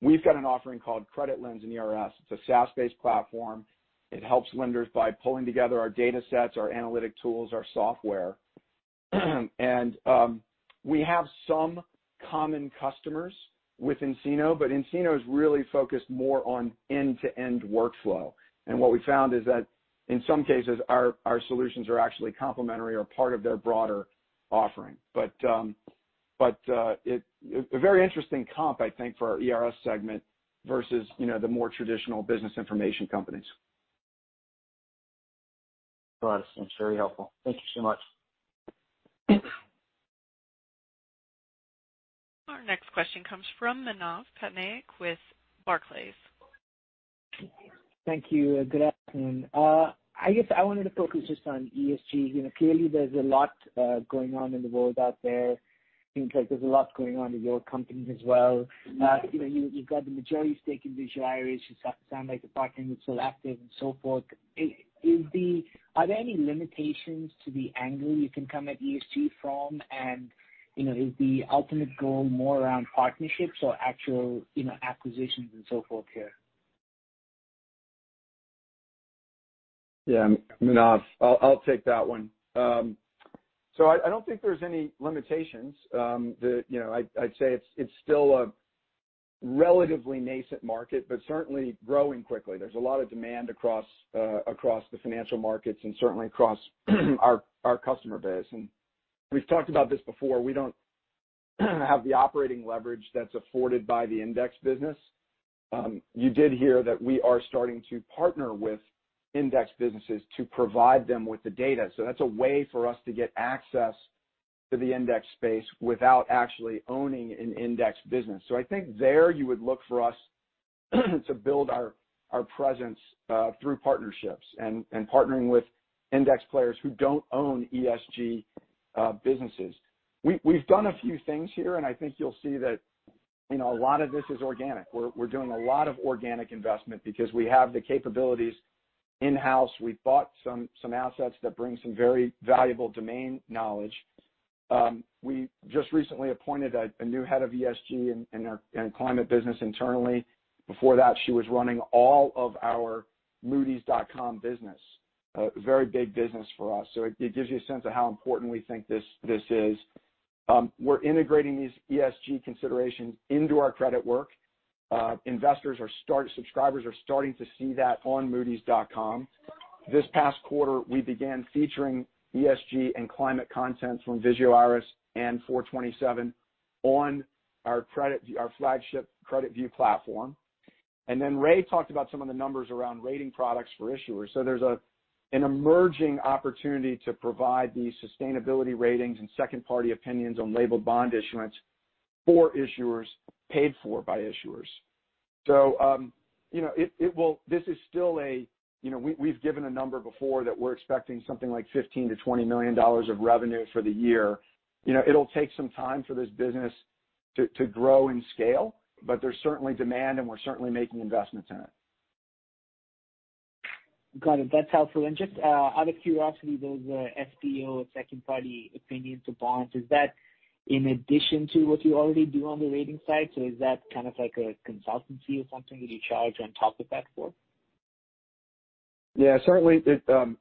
we've got an offering called CreditLens in ERS. It's a SaaS-based platform. It helps lenders by pulling together our data sets, our analytic tools, our software. We have some common customers with nCino, but nCino is really focused more on end-to-end workflow. What we found is that in some cases our solutions are actually complementary or part of their broader offering. A very interesting comp, I think, for our ERS segment versus the more traditional business information companies. Got it. That's very helpful. Thank you so much. Our next question comes from Manav Patnaik with Barclays. Thank you. Good afternoon. I guess I wanted to focus just on ESG. Clearly there's a lot going on in the world out there. Seems like there's a lot going on in your company as well. You've got the majority stake in Vigeo Eiris. You sound like the partnership is still active and so forth. Are there any limitations to the angle you can come at ESG from, and is the ultimate goal more around partnerships or actual acquisitions and so forth here? Yeah, Manav, I'll take that one. I don't think there's any limitations. I'd say it's still a relatively nascent market, but certainly growing quickly. There's a lot of demand across the financial markets and certainly across our customer base. We've talked about this before, we don't have the operating leverage that's afforded by the index business. You did hear that we are starting to partner with index businesses to provide them with the data. That's a way for us to get access to the index space without actually owning an index business. I think there you would look for us to build our presence through partnerships and partnering with index players who don't own ESG businesses. We've done a few things here, and I think you'll see that a lot of this is organic. We're doing a lot of organic investment because we have the capabilities in-house. We bought some assets that bring some very valuable domain knowledge. We just recently appointed a new head of ESG in climate business internally. Before that, she was running all of our moodys.com business, a very big business for us. It gives you a sense of how important we think this is. We're integrating these ESG considerations into our credit work. Investors or subscribers are starting to see that on moodys.com. This past quarter, we began featuring ESG and climate content from Vigeo Eiris and Four Twenty Seven on our flagship CreditView platform. Ray talked about some of the numbers around rating products for issuers. There's an emerging opportunity to provide these sustainability ratings and second party opinions on labeled bond issuance for issuers paid for by issuers. We've given a number before that we're expecting something like $15 million-$20 million of revenue for the year. It'll take some time for this business to grow and scale, but there's certainly demand and we're certainly making investments in it. Got it. That's helpful. Just out of curiosity, those SPO, second party opinions of bonds, is that in addition to what you already do on the rating side? Is that kind of like a consultancy or something that you charge on top of that for? Yeah, certainly.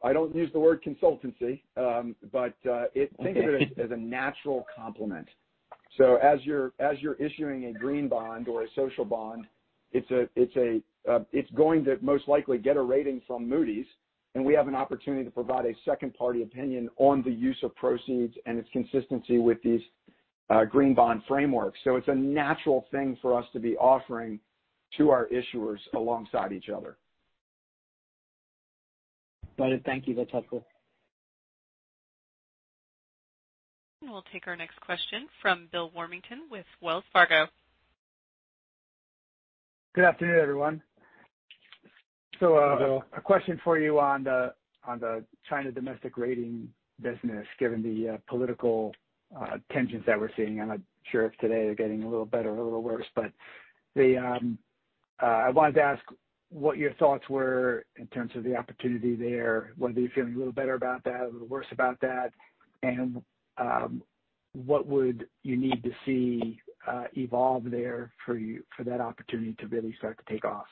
I don't use the word consultancy. Think of it as a natural complement. As you're issuing a green bond or a social bond, it's going to most likely get a rating from Moody's, and we have an opportunity to provide a second-party opinion on the use of proceeds and its consistency with these green bond frameworks. It's a natural thing for us to be offering to our issuers alongside each other. Got it. Thank you. That's helpful. We'll take our next question from Bill Warmington with Wells Fargo. Good afternoon, everyone. Ray, a question for you on the China domestic rating business, given the political tensions that we're seeing. I'm not sure if today they're getting a little better or a little worse. I wanted to ask what your thoughts were in terms of the opportunity there. Whether you're feeling a little better about that or a little worse about that, and what would you need to see evolve there for that opportunity to really start to take off?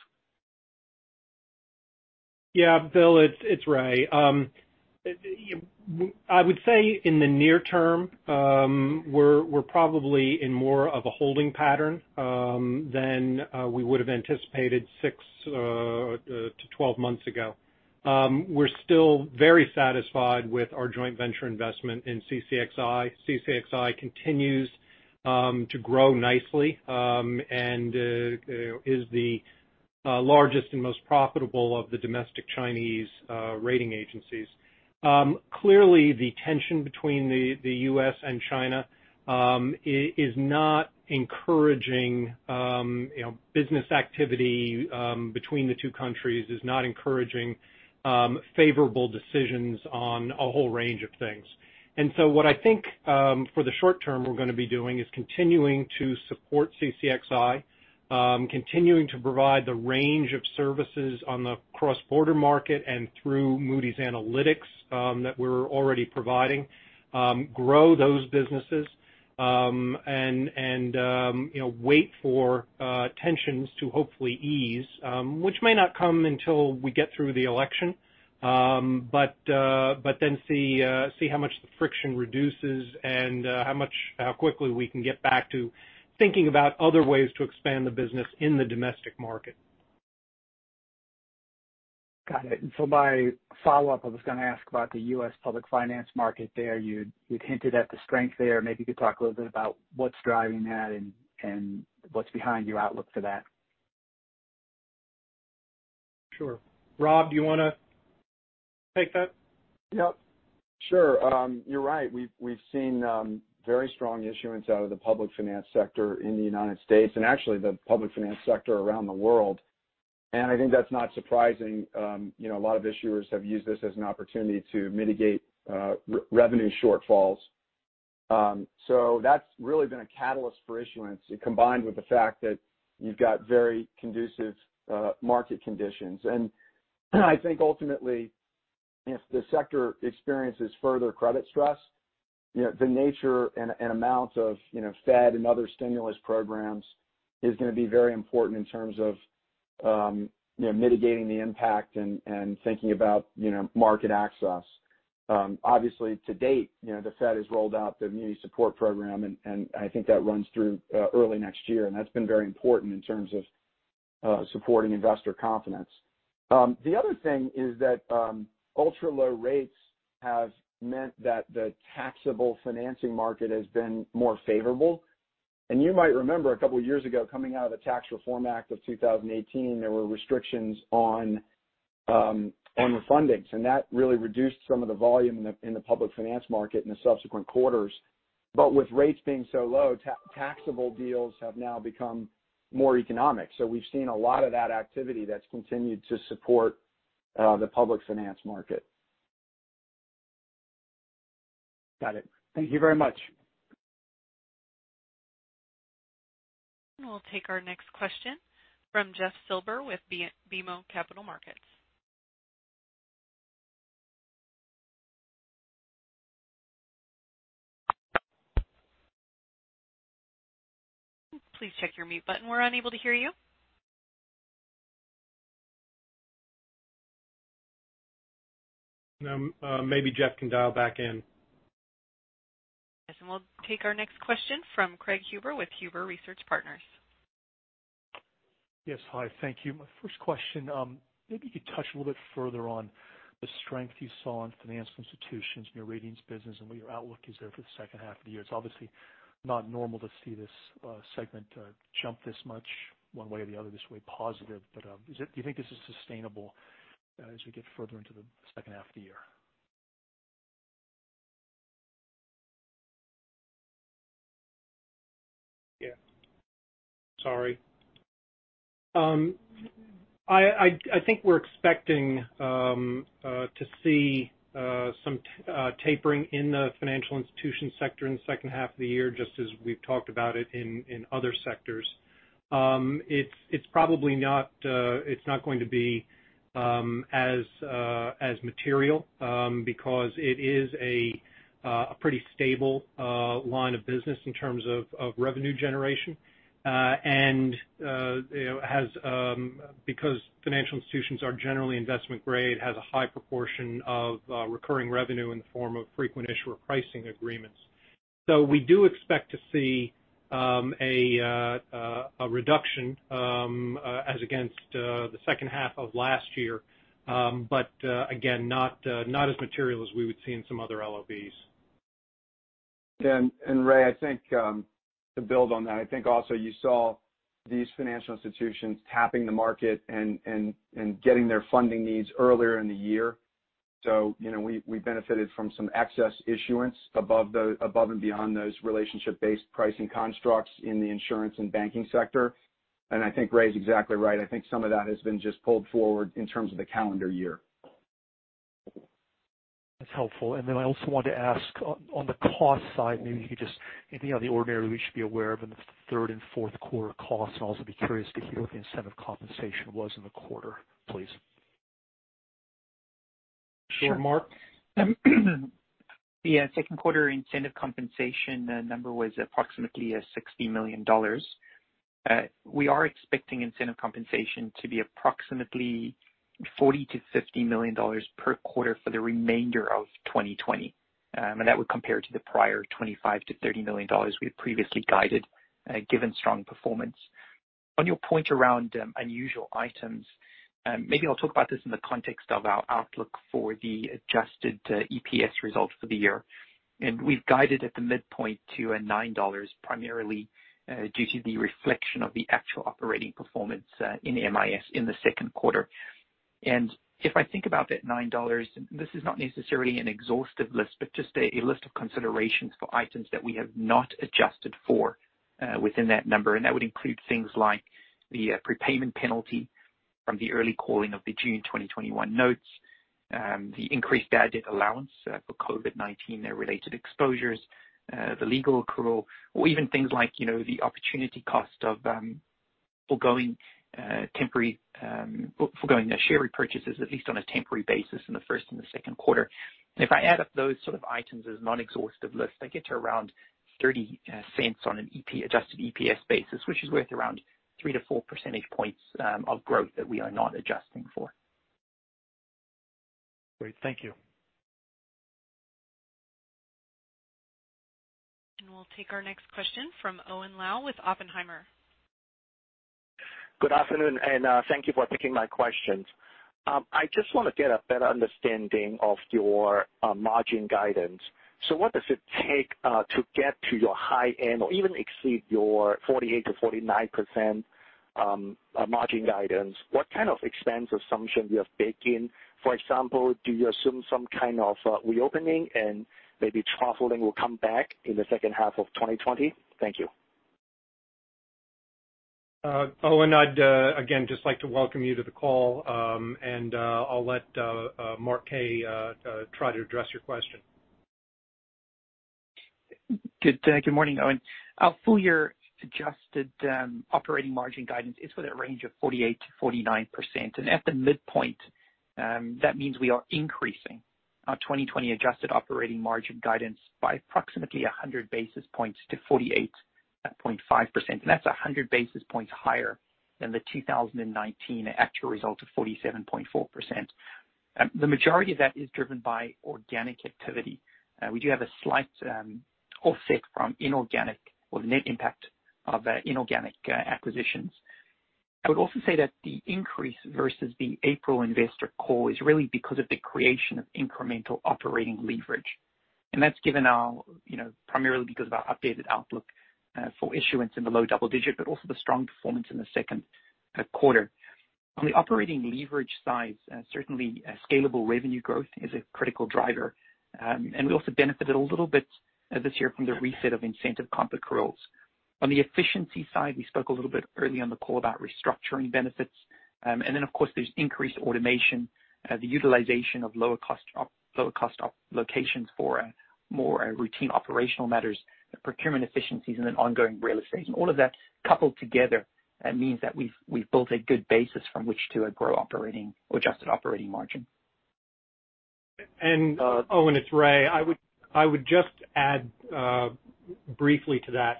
Yeah. Bill, it's Ray. I would say in the near term, we're probably in more of a holding pattern than we would have anticipated 6-12 months ago. We're still very satisfied with our joint venture investment in CCXI. CCXI continues to grow nicely and is the largest and most profitable of the domestic Chinese rating agencies. Clearly, the tension between the U.S. and China is not encouraging business activity between the two countries. It is not encouraging favorable decisions on a whole range of things. What I think for the short term we're going to be doing is continuing to support CCXI, continuing to provide the range of services on the cross-border market and through Moody's Analytics that we're already providing, grow those businesses and wait for tensions to hopefully ease which may not come until we get through the election. See how much the friction reduces and how quickly we can get back to thinking about other ways to expand the business in the domestic market. Got it. My follow-up, I was going to ask about the U.S. public finance market there. You'd hinted at the strength there. Maybe you could talk a little bit about what's driving that and what's behind your outlook for that. Sure. Rob, do you want to take that? Yep. Sure. You're right. We've seen very strong issuance out of the public finance sector in the United States and actually the public finance sector around the world. I think that's not surprising. A lot of issuers have used this as an opportunity to mitigate revenue shortfalls. That's really been a catalyst for issuance. It combined with the fact that you've got very conducive market conditions. I think ultimately, if the sector experiences further credit stress, the nature and amount of Fed and other stimulus programs is going to be very important in terms of mitigating the impact and thinking about market access. Obviously to date, the Fed has rolled out the Muni Support Program, and I think that runs through early next year, and that's been very important in terms of supporting investor confidence. The other thing is that ultra-low rates have meant that the taxable financing market has been more favorable. You might remember a couple of years ago coming out of the Tax Reform Act of 2018, there were restrictions on refundings, that really reduced some of the volume in the public finance market in the subsequent quarters. With rates being so low, taxable deals have now become more economic. We've seen a lot of that activity that's continued to support the public finance market. Got it. Thank you very much. We'll take our next question from Jeff Silber with BMO Capital Markets. Please check your mute button. We're unable to hear you. Maybe Jeff can dial back in. Yes. We'll take our next question from Craig Huber with Huber Research Partners. Yes. Hi, thank you. My first question, maybe you could touch a little bit further on the strength you saw in financial institutions in your ratings business, and what your outlook is there for the second half of the year. It's obviously not normal to see this segment jump this much one way or the other, this way positive. Do you think this is sustainable as we get further into the second half of the year? Yeah. Sorry. I think we're expecting to see some tapering in the financial institution sector in the second half of the year, just as we've talked about it in other sectors. It's not going to be as material because it is a pretty stable line of business in terms of revenue generation. Because financial institutions are generally investment grade, has a high proportion of recurring revenue in the form of frequent issuer pricing agreements. We do expect to see a reduction as against the second half of last year. Again, not as material as we would see in some other LOBs. Ray, to build on that, I think also you saw these financial institutions tapping the market and getting their funding needs earlier in the year. We benefited from some excess issuance above and beyond those relationship-based pricing constructs in the insurance and banking sector. I think Ray's exactly right. I think some of that has been just pulled forward in terms of the calendar year. That's helpful. I also wanted to ask on the cost side, anything out of the ordinary we should be aware of in the third and fourth quarter costs? I'd also be curious to hear what the incentive compensation was in the quarter, please. Sure, Mark. The second quarter incentive compensation number was approximately $60 million. We are expecting incentive compensation to be approximately $40 million-$50 million per quarter for the remainder of 2020. That would compare to the prior $25 million-$30 million we had previously guided, given strong performance. On your point around unusual items, maybe I'll talk about this in the context of our outlook for the adjusted EPS results for the year. We've guided at the midpoint to a $9, primarily due to the reflection of the actual operating performance, in MIS in the second quarter. If I think about that $9, this is not necessarily an exhaustive list, but just a list of considerations for items that we have not adjusted for within that number. That would include things like the prepayment penalty from the early calling of the June 2021 notes, the increased bad debt allowance for COVID-19 and related exposures, the legal accrual or even things like the opportunity cost of foregoing share repurchases, at least on a temporary basis in the first and the second quarter. If I add up those sort of items as a non-exhaustive list, I get to around $0.30 on an adjusted EPS basis, which is worth around three to four percentage points of growth that we are not adjusting for. Great. Thank you. We'll take our next question from Owen Lau with Oppenheimer. Good afternoon. Thank you for taking my questions. I just want to get a better understanding of your margin guidance. What does it take to get to your high end or even exceed your 48%-49% margin guidance? What kind of expense assumption you have baked in? For example, do you assume some kind of reopening and maybe traveling will come back in the second half of 2020? Thank you. Owen, I'd, again, just like to welcome you to the call. I'll let Mark Kaye try to address your question. Good morning, Owen. Our full year adjusted operating margin guidance is for that range of 48%-49%. At the midpoint, that means we are increasing our 2020 adjusted operating margin guidance by approximately 100 basis points to 48.5%, and that's 100 basis points higher than the 2019 actual result of 47.4%. The majority of that is driven by organic activity. We do have a slight offset from inorganic or the net impact of inorganic acquisitions. I would also say that the increase versus the April investor call is really because of the creation of incremental operating leverage. That's given primarily because of our updated outlook for issuance in the low double digit, but also the strong performance in the second quarter. On the operating leverage side, certainly scalable revenue growth is a critical driver. We also benefited a little bit this year from the reset of incentive comp accruals. On the efficiency side, we spoke a little bit early on the call about restructuring benefits. Of course, there's increased automation, the utilization of lower cost locations for more routine operational matters, the procurement efficiencies, and then ongoing real estate. All of that coupled together means that we've built a good basis from which to grow adjusted operating margin. And Owen, it's Ray. I would just add briefly to that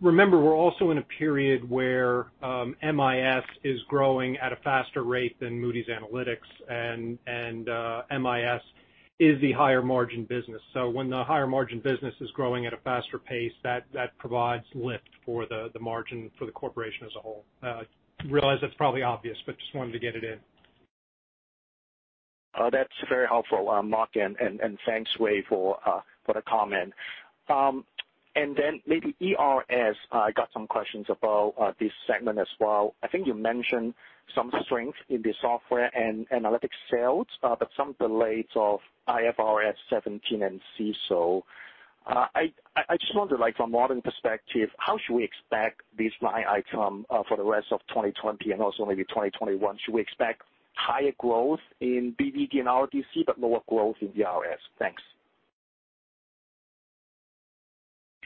remember we're also in a period where MIS is growing at a faster rate than Moody's Analytics and MIS is the higher margin business. When the higher margin business is growing at a faster pace, that provides lift for the margin for the Corporation as a whole. I realize that's probably obvious, just wanted to get it in. That's very helpful, Mark, and thanks, Ray, for the comment. Maybe ERS, I got some questions about this segment as well. I think you mentioned some strength in the software and analytics sales, but some delays of IFRS 17 and CECL. I just wonder from a modeling perspective, how should we expect this line item for the rest of 2020 and also maybe 2021? Should we expect higher growth in BVD and RDC, but lower growth in ERS? Thanks.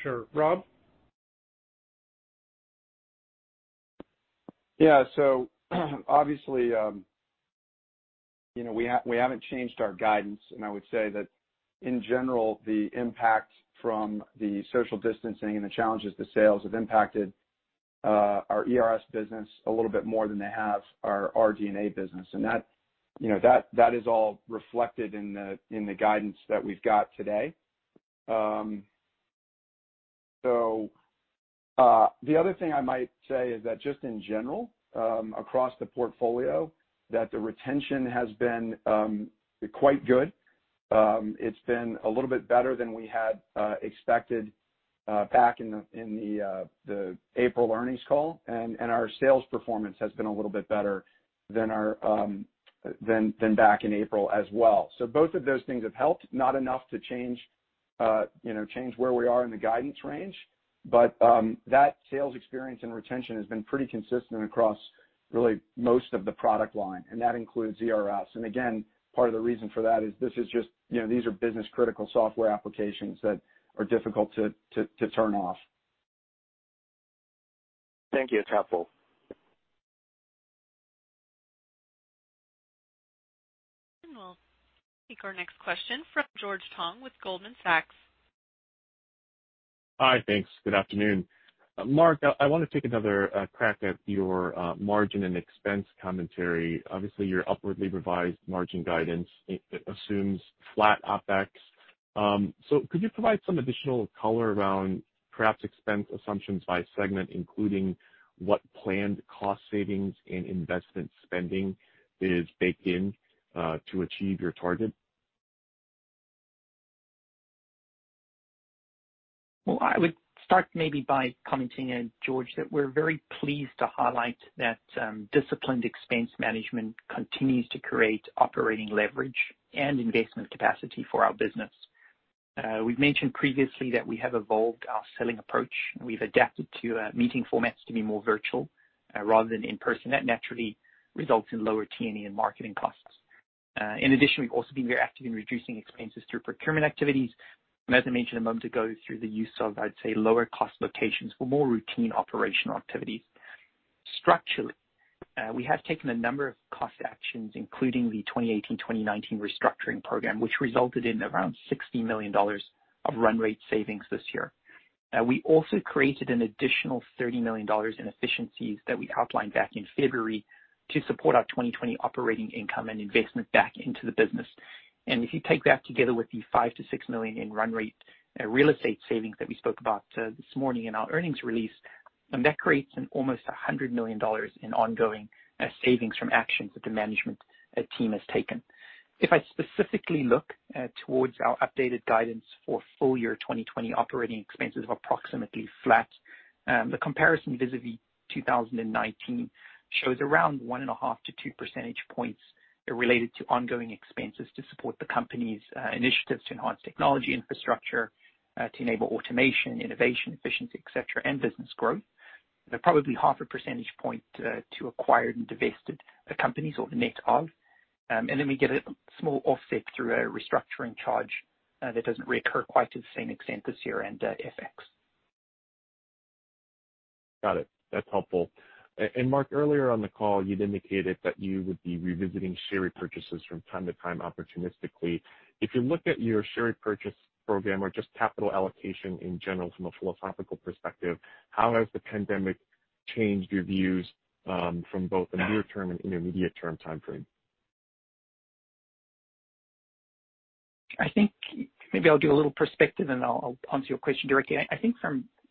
Sure. Rob? Obviously, we haven't changed our guidance. I would say that in general, the impact from the social distancing and the challenges to sales have impacted our ERS business a little bit more than they have our RD&A business. That is all reflected in the guidance that we've got today. The other thing I might say is that just in general, across the portfolio, that the retention has been quite good. It's been a little bit better than we had expected back in the April earnings call, and our sales performance has been a little bit better than back in April as well. Both of those things have helped, not enough to change where we are in the guidance range. That sales experience and retention has been pretty consistent across really most of the product line, and that includes ERS. Again, part of the reason for that is these are business-critical software applications that are difficult to turn off. Thank you. That's helpful. We'll take our next question from George Tong with Goldman Sachs. Hi. Thanks. Good afternoon. Mark, I want to take another crack at your margin and expense commentary. Obviously, your upwardly revised margin guidance assumes flat OpEx. Could you provide some additional color around perhaps expense assumptions by segment, including what planned cost savings and investment spending is baked in to achieve your target? I would start maybe by commenting, George, that we're very pleased to highlight that disciplined expense management continues to create operating leverage and investment capacity for our business. We've mentioned previously that we have evolved our selling approach, and we've adapted to meeting formats to be more virtual rather than in-person. That naturally results in lower T&E and marketing costs. In addition, we've also been very active in reducing expenses through procurement activities, and as I mentioned a moment ago, through the use of, I'd say, lower-cost locations for more routine operational activities. Structurally, we have taken a number of cost actions, including the 2018-2019 restructuring program, which resulted in around $60 million of run rate savings this year. We also created an additional $30 million in efficiencies that we outlined back in February to support our 2020 operating income and investment back into the business. If you take that together with the $5 million-$6 million in run rate real estate savings that we spoke about this morning in our earnings release, that creates an almost $100 million in ongoing savings from actions that the management team has taken. If I specifically look towards our updated guidance for full year 2020 operating expenses of approximately flat, the comparison vis-a-vis 2019 shows around 1.5-2 percentage points related to ongoing expenses to support the company's initiatives to enhance technology infrastructure to enable automation, innovation, efficiency, et cetera, and business growth. They're probably 0.5 percentage point to acquired and divested companies or the net of. Then we get a small offset through a restructuring charge that doesn't reoccur quite to the same extent this year and FX. Got it. That's helpful. Mark, earlier on the call you'd indicated that you would be revisiting share repurchases from time to time opportunistically. If you look at your share purchase program or just capital allocation in general from a philosophical perspective, how has the pandemic changed your views from both a near-term and intermediate-term timeframe? I think maybe I'll give a little perspective and I'll answer your question directly. I think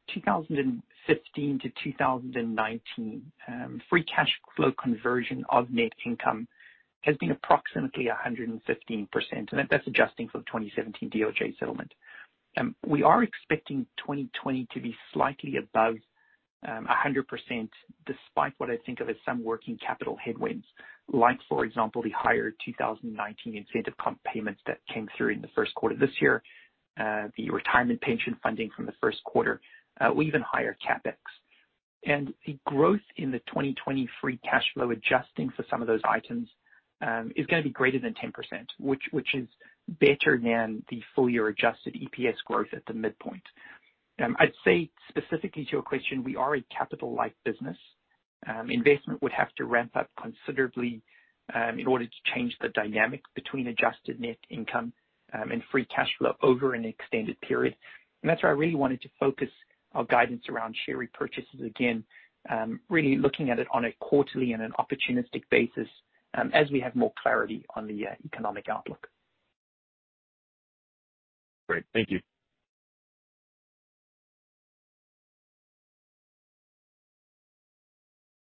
from 2015 to 2019, free cash flow conversion of net income has been approximately 115%, and that's adjusting for the 2017 DOJ settlement. We are expecting 2020 to be slightly above 100%, despite what I think of as some working capital headwinds, like, for example, the higher 2019 incentive comp payments that came through in the first quarter this year, the retirement pension funding from the first quarter, or even higher CapEx. The growth in the 2020 free cash flow, adjusting for some of those items, is going to be greater than 10%, which is better than the full-year adjusted EPS growth at the midpoint. I'd say specifically to your question, we are a capital-light business. Investment would have to ramp up considerably in order to change the dynamic between adjusted net income and free cash flow over an extended period. That's why I really wanted to focus our guidance around share repurchases, again, really looking at it on a quarterly and an opportunistic basis as we have more clarity on the economic outlook. Great. Thank you.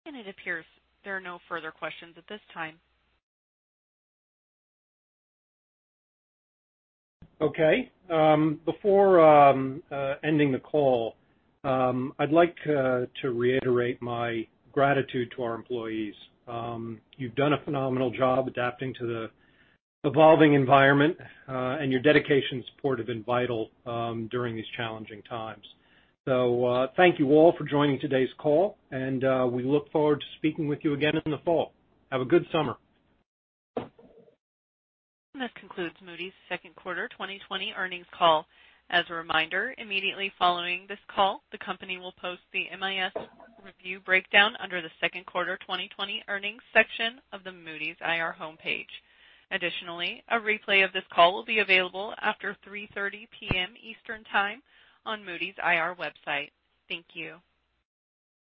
It appears there are no further questions at this time. Okay. Before ending the call, I'd like to reiterate my gratitude to our employees. You've done a phenomenal job adapting to the evolving environment, and your dedication and support have been vital during these challenging times. Thank you all for joining today's call, and we look forward to speaking with you again in the fall. Have a good summer. This concludes Moody's second quarter 2020 earnings call. As a reminder, immediately following this call, the company will post the MIS review breakdown under the second quarter 2020 earnings section of the Moody's IR homepage. Additionally, a replay of this call will be available after 3:30 P.M. Eastern Time on Moody's IR website. Thank you.